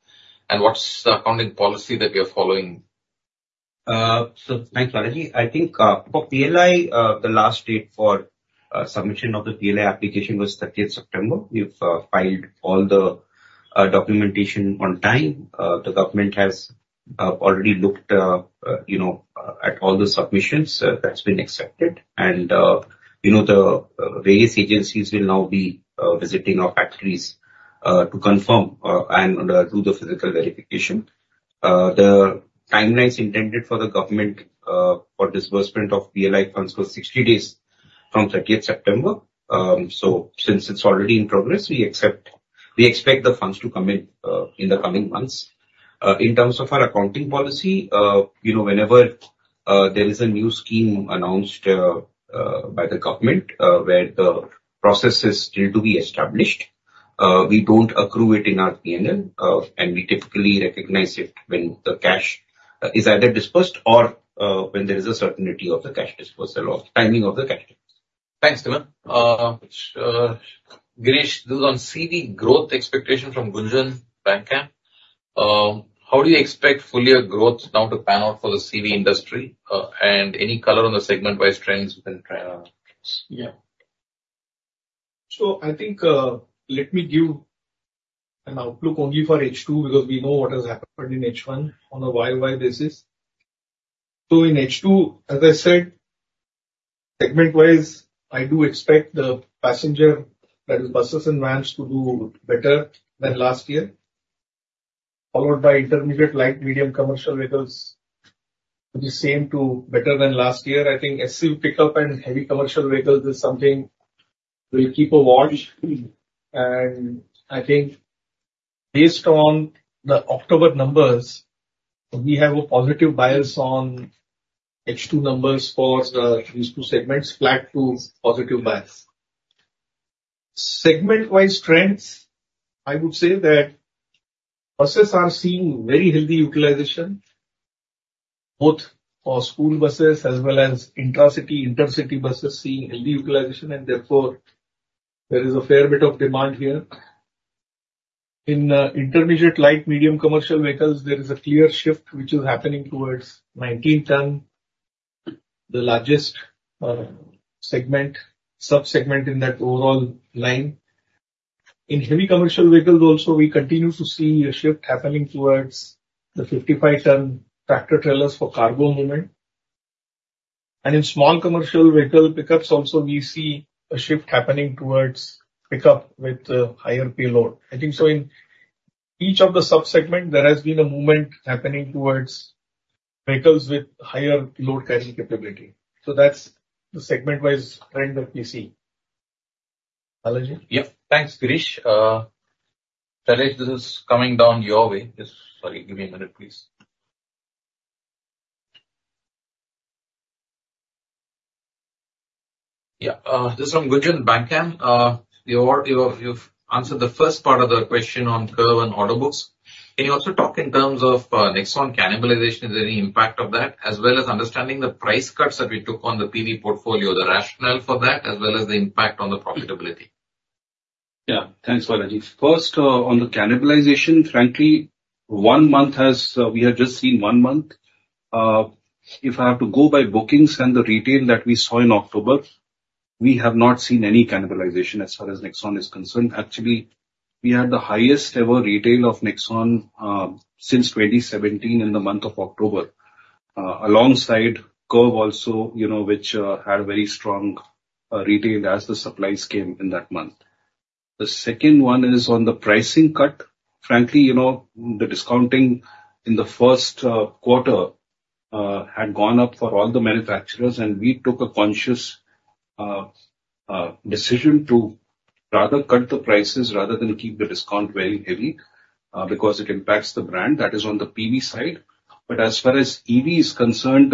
And what's the accounting policy that you're following? So thanks, Balaji. I think for PLI, the last date for submission of the PLI application was 30th September. We've filed all the documentation on time. The government has already looked at all the submissions. That's been accepted. And the various agencies will now be visiting our factories to confirm and do the physical verification. The timelines intended for the government for disbursement of PLI funds was 60 days from 30th September. So since it's already in progress, we expect the funds to come in in the coming months. In terms of our accounting policy, whenever there is a new scheme announced by the government where the process is still to be established, we don't accrue it in our P&L, and we typically recognize it when the cash is either disbursed or when there is a certainty of the cash disbursal or timing of the cash disbursal. Thanks, Dhiman. Girish, this is on CV growth expectation from Gunjan Prithyani. How do you expect FY 2025 growth now to pan out for the CV industry and any color on the segment-wise trends? Yeah. So I think let me give an outlook only for H2 because we know what has happened in H1 on a YOY basis. So in H2, as I said, segment-wise, I do expect the passenger, that is, buses and vans, to do better than last year, followed by intermediate, light, medium commercial vehicles to be the same to better than last year. I think SUV pickup and heavy commercial vehicles is something we'll keep a watch. And I think based on the October numbers, we have a positive bias on H2 numbers for the H2 segments, flat to positive bias. Segment-wise trends, I would say that buses are seeing very healthy utilization, both for school buses as well as intra-city, inter-city buses seeing healthy utilization. And therefore, there is a fair bit of demand here. In intermediate, light, medium commercial vehicles, there is a clear shift which is happening towards 19-ton, the largest subsegment in that overall line. In heavy commercial vehicles also, we continue to see a shift happening towards the 55-ton tractor trailers for cargo movement. And in small commercial vehicle pickups also, we see a shift happening towards pickup with higher payload. I think so in each of the subsegments, there has been a movement happening towards vehicles with higher load-carrying capability. So that's the segment-wise trend that we see. Balaji? Yeah. Thanks, Girish. Shailesh, this is coming down your way. Sorry, give me a minute, please. Yeah. This is from Bank of America. You've answered the first part of the question on Curvv and order books. Can you also talk in terms of Nexon cannibalization, is there any impact of that, as well as understanding the price cuts that we took on the PV portfolio, the rationale for that, as well as the impact on the profitability? Yeah. Thanks, Balaji. First, on the cannibalization, frankly, we have just seen one month. If I have to go by bookings and the retail that we saw in October, we have not seen any cannibalization as far as Nexon is concerned. Actually, we had the highest-ever retail of Nexon since 2017 in the month of October, alongside Curvv also, which had a very strong retail as the supplies came in that month. The second one is on the pricing cut. Frankly, the discounting in the first quarter had gone up for all the manufacturers. We took a conscious decision to rather cut the prices rather than keep the discount very heavy because it impacts the brand. That is on the PV side. But as far as EVs concerned,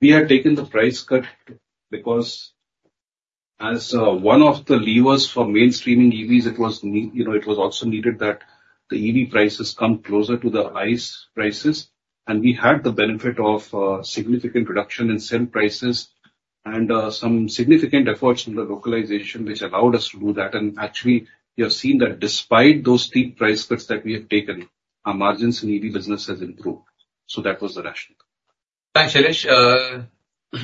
we had taken the price cut because as one of the levers for mainstreaming EVs, it was also needed that the EV prices come closer to the ICE prices. And we had the benefit of significant reduction in sale prices and some significant efforts in the localization, which allowed us to do that. And actually, we have seen that despite those steep price cuts that we have taken, our margins in EV business has improved. So that was the rationale. Thanks, Shailesh.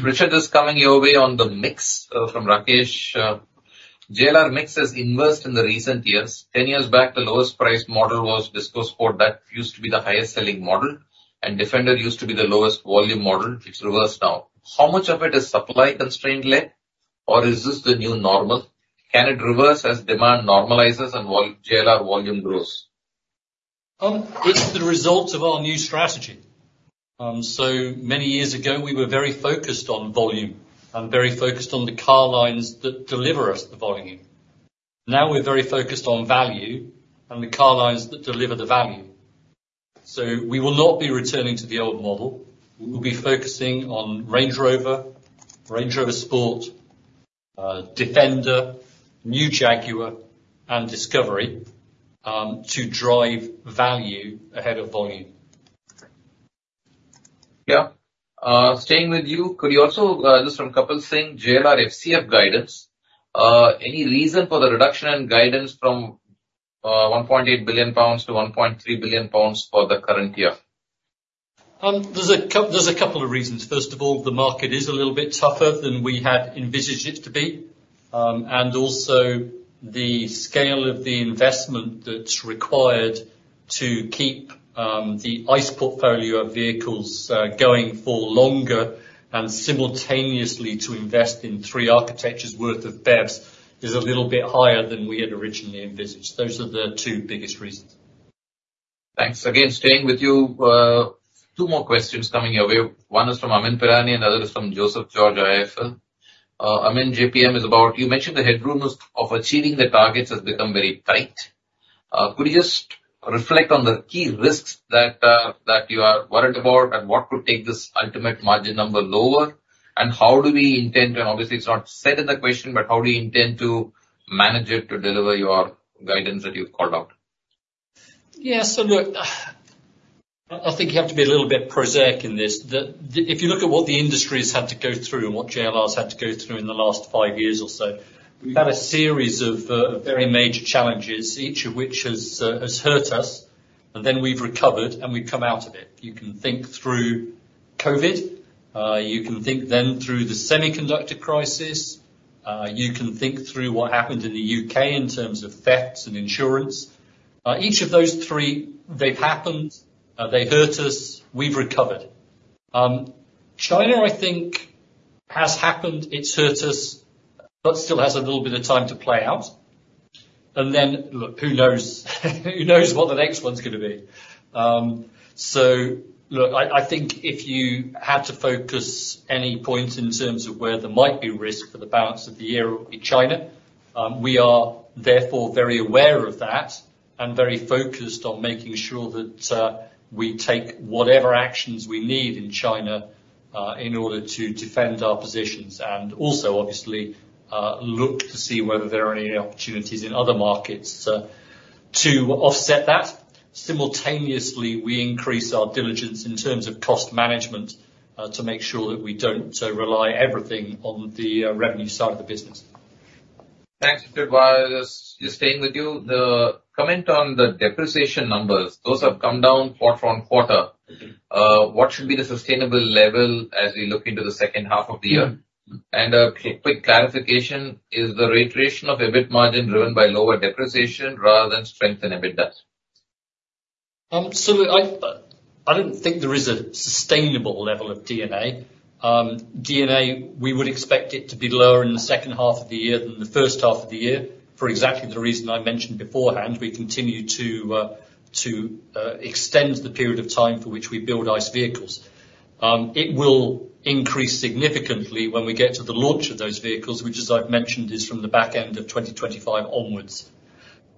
Richard is coming your way on the mix from Rakesh. JLR mix has inversed in the recent years. 10 years back, the lowest price model was Discovery Sport. That used to be the highest-selling model. And Defender used to be the lowest volume model. It's reversed now. How much of it is supply-constrained led, or is this the new normal? Can it reverse as demand normalizes and JLR volume grows? It's the result of our new strategy. So many years ago, we were very focused on volume and very focused on the car lines that deliver us the volume. Now we're very focused on value and the car lines that deliver the value. So we will not be returning to the old model. We will be focusing on Range Rover, Range Rover Sport, Defender, new Jaguar, and Discovery to drive value ahead of volume. Yeah. Staying with you, could you also just a couple things, JLR FCF guidance, any reason for the reduction in guidance from 1.8 billion pounds to 1.3 billion pounds for the current year? There's a couple of reasons. First of all, the market is a little bit tougher than we had envisioned it to be. Also, the scale of the investment that's required to keep the ICE portfolio of vehicles going for longer and simultaneously to invest in three architectures' worth of BEVs is a little bit higher than we had originally envisioned. Those are the two biggest reasons. Thanks. Again, staying with you, two more questions coming your way. One is from Amyn Pirani and the other is from Joseph George IIFL. Amyn, JPM is about you mentioned the headroom of achieving the targets has become very tight. Could you just reflect on the key risks that you are worried about and what could take this ultimate margin number lower? And how do we intend to, and obviously, it's not set in the question, but how do you intend to manage it to deliver your guidance that you've called out? Yeah. Look, I think you have to be a little bit pragmatic in this. If you look at what the industry has had to go through and what JLR has had to go through in the last five years or so, we've had a series of very major challenges, each of which has hurt us. Then we've recovered and we've come out of it. You can think through COVID. You can think then through the semiconductor crisis. You can think through what happened in the UK in terms of thefts and insurance. Each of those three, they've happened. They hurt us. We've recovered. China, I think, has happened. It's hurt us, but still has a little bit of time to play out. Then, look, who knows what the next one's going to be? So look, I think if you had to focus any point in terms of where there might be risk for the balance of the year will be China. We are therefore very aware of that and very focused on making sure that we take whatever actions we need in China in order to defend our positions and also, obviously, look to see whether there are any opportunities in other markets to offset that. Simultaneously, we increase our diligence in terms of cost management to make sure that we don't rely everything on the revenue side of the business. Thanks, Richard. While just staying with you, the comment on the depreciation numbers, those have come down quarter on quarter. What should be the sustainable level as we look into the second half of the year? A quick clarification: is the reiteration of EBIT margin driven by lower depreciation rather than stronger EBITDA? So I don't think there is a sustainable level of D&A. D&A, we would expect it to be lower in the second half of the year than the first half of the year for exactly the reason I mentioned beforehand. We continue to extend the period of time for which we build ICE vehicles. It will increase significantly when we get to the launch of those vehicles, which, as I've mentioned, is from the back end of 2025 onwards.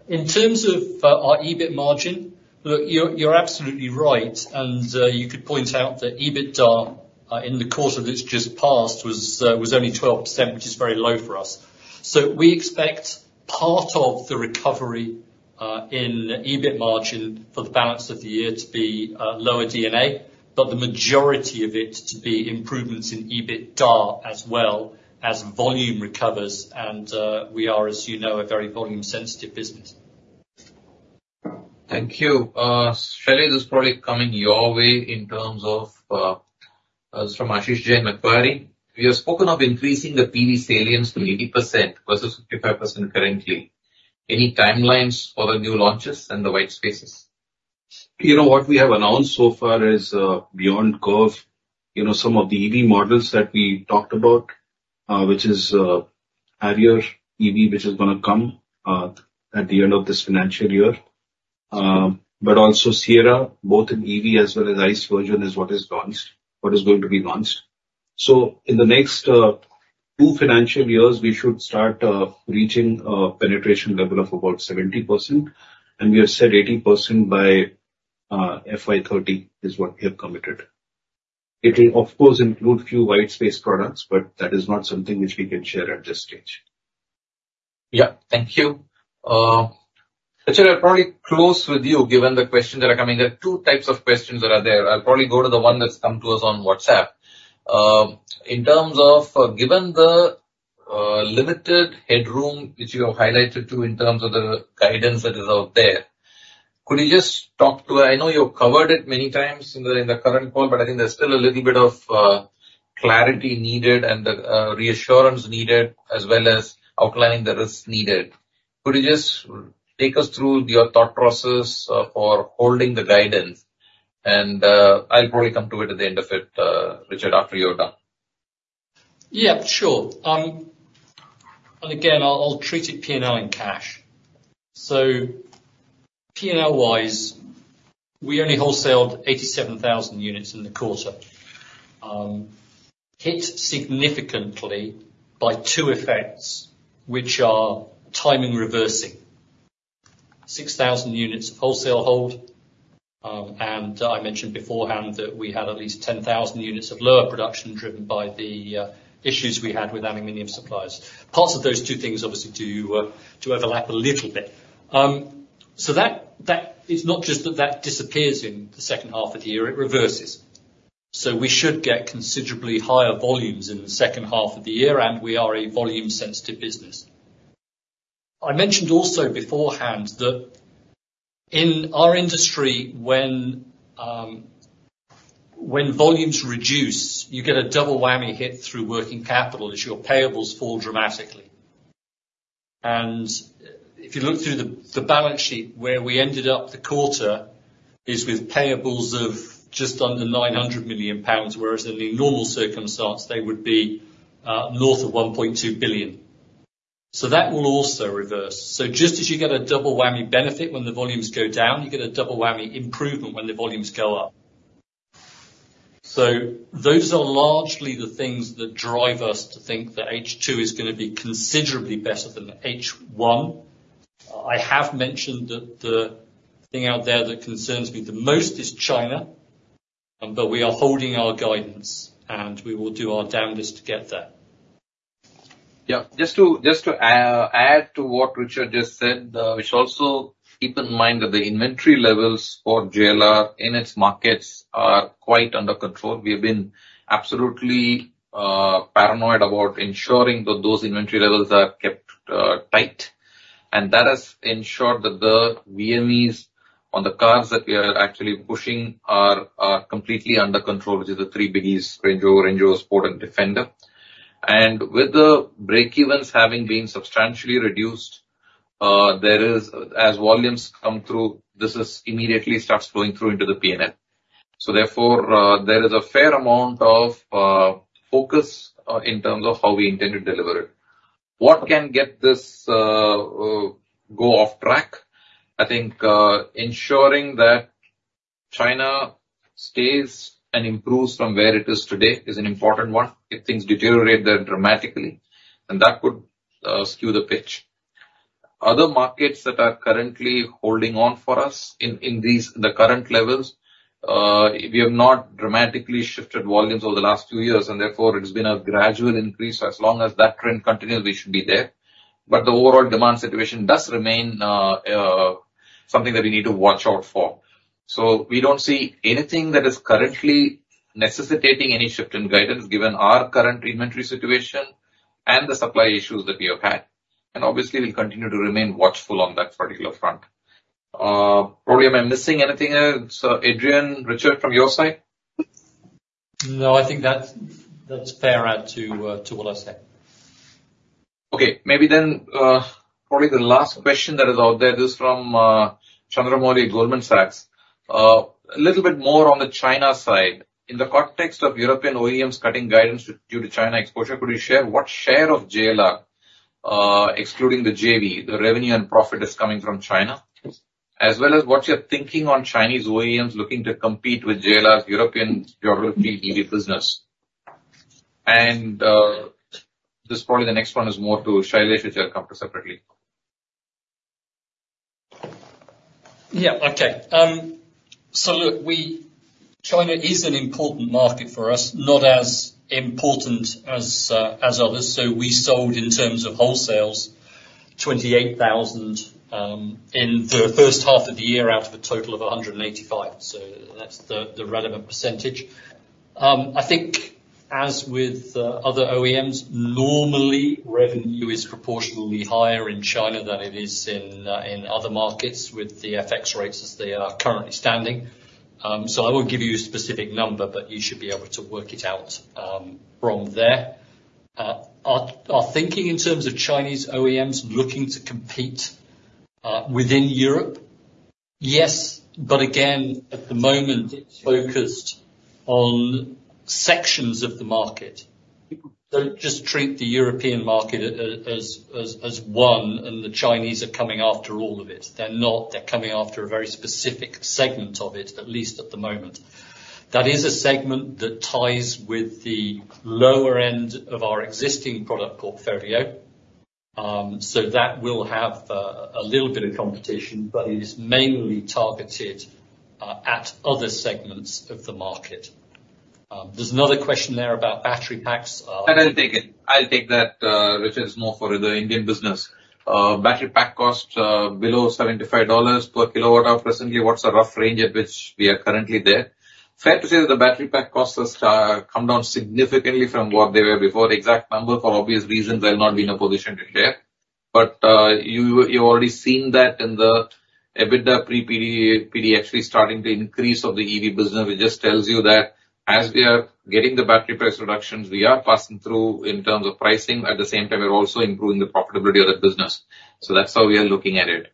In terms of our EBIT margin, look, you're absolutely right. You could point out that EBITDA in the quarter that's just passed was only 12%, which is very low for us. So we expect part of the recovery in EBIT margin for the balance of the year to be lower D&A, but the majority of it to be improvements in EBITDA as well as volume recovers. And we are, as you know, a very volume-sensitive business. Thank you. Shailesh, this is probably coming your way in terms of from Ashish Jain Macquarie. We have spoken of increasing the PV salience to 80% versus 55% currently. Any timelines for the new launches and the white spaces? What we have announced so far is beyond Curvv, some of the EV models that we talked about, which is Harrier EV, which is going to come at the end of this financial year. But also Sierra, both in EV as well as ICE version, is what is launched, what is going to be launched. So in the next two financial years, we should start reaching a penetration level of about 70%. And we have said 80% by FY30 is what we have committed. It will, of course, include few white space products, but that is not something which we can share at this stage. Yeah. Thank you. Richard, I'll probably close with you given the questions that are coming. There are two types of questions that are there. I'll probably go to the one that's come to us on WhatsApp. In terms of, given the limited headroom which you have highlighted too in terms of the guidance that is out there, could you just talk to. I know you've covered it many times in the current call, but I think there's still a little bit of clarity needed and the reassurance needed as well as outlining the risks needed? Could you just take us through your thought process for holding the guidance? I'll probably come to it at the end of it, Richard, after you're done. Yeah. Sure. Again, I'll treat it P&L in cash. So P&L-wise, we only wholesaled 87,000 units in the quarter, hit significantly by two effects, which are timing reversing, 6,000 units of wholesale hold. I mentioned beforehand that we had at least 10,000 units of lower production driven by the issues we had with aluminum suppliers. Parts of those two things obviously do overlap a little bit. It's not just that that disappears in the second half of the year. It reverses. We should get considerably higher volumes in the second half of the year, and we are a volume-sensitive business. I mentioned also beforehand that in our industry, when volumes reduce, you get a double whammy hit through working capital as your payables fall dramatically. And if you look through the balance sheet where we ended up, the quarter is with payables of just under 900 million pounds, whereas in the normal circumstance, they would be north of 1.2 billion. So that will also reverse. So just as you get a double whammy benefit when the volumes go down, you get a double whammy improvement when the volumes go up. So those are largely the things that drive us to think that H2 is going to be considerably better than H1. I have mentioned that the thing out there that concerns me the most is China, but we are holding our guidance, and we will do our damnedest to get there. Yeah. Just to add to what Richard just said, while also keeping in mind that the inventory levels for JLR in its markets are quite under control. We have been absolutely paranoid about ensuring that those inventory levels are kept tight, and that has ensured that the VMEs on the cars that we are actually pushing are completely under control, which is the three biggies, Range Rover, Range Rover Sport, and Defender. With the breakevens having been substantially reduced, as volumes come through, this immediately starts flowing through into the P&L. So therefore, there is a fair amount of focus in terms of how we intend to deliver it. What can get this off track? I think ensuring that China stays and improves from where it is today is an important one. If things deteriorate there dramatically, and that could skew the pitch. Other markets that are currently holding on for us in the current levels. We have not dramatically shifted volumes over the last few years. And therefore, it's been a gradual increase. As long as that trend continues, we should be there. But the overall demand situation does remain something that we need to watch out for. So we don't see anything that is currently necessitating any shift in guidance given our current inventory situation and the supply issues that we have had. And obviously, we'll continue to remain watchful on that particular front. Probably, am I missing anything else? Adrian, Richard, from your side? No, I think that's fair to add to what I said. Okay. Maybe then probably the last question that is out there is from Chandramouli, Goldman Sachs. A little bit more on the China side. In the context of European OEMs cutting guidance due to China exposure, could you share what share of JLR, excluding the JV, the revenue and profit is coming from China, as well as what you're thinking on Chinese OEMs looking to compete with JLR's European geography EV business? And this probably the next one is more to Shailesh, Richard, comment on separately. Yeah. Okay. So look, China is an important market for us, not as important as others. So we sold in terms of wholesales 28,000 in the first half of the year out of a total of 185. So that's the relevant percentage. I think as with other OEMs, normally revenue is proportionally higher in China than it is in other markets with the FX rates as they are currently standing. So I won't give you a specific number, but you should be able to work it out from there. Our thinking in terms of Chinese OEMs looking to compete within Europe, yes. But again, at the moment, it's focused on sections of the market. Don't just treat the European market as one and the Chinese are coming after all of it. They're not. They're coming after a very specific segment of it, at least at the moment. That is a segment that ties with the lower end of our existing product called Evoque. So that will have a little bit of competition, but it is mainly targeted at other segments of the market. There's another question there about battery packs. I'll take that, Richard, more for the Indian business. Battery pack costs below $75 per kilowatt-hour presently. What's the rough range at which we are currently there? Fair to say that the battery pack costs have come down significantly from what they were before. Exact number for obvious reasons I'll not be in a position to share. But you've already seen that in the EBITDA pre-PD actually starting to increase of the EV business, which just tells you that as we are getting the battery price reductions, we are passing through in terms of pricing. At the same time, we're also improving the profitability of the business. So that's how we are looking at it.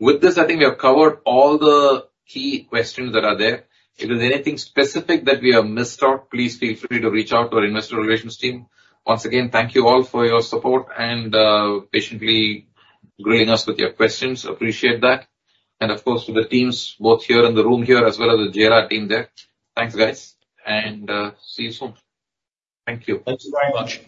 With this, I think we have covered all the key questions that are there. If there's anything specific that we have missed out, please feel free to reach out to our investor relations team. Once again, thank you all for your support and patiently grilling us with your questions. Appreciate that. And of course, to the teams both here in the room here as well as the JLR team there. Thanks, guys. And see you soon. Thank you. Thank you very much.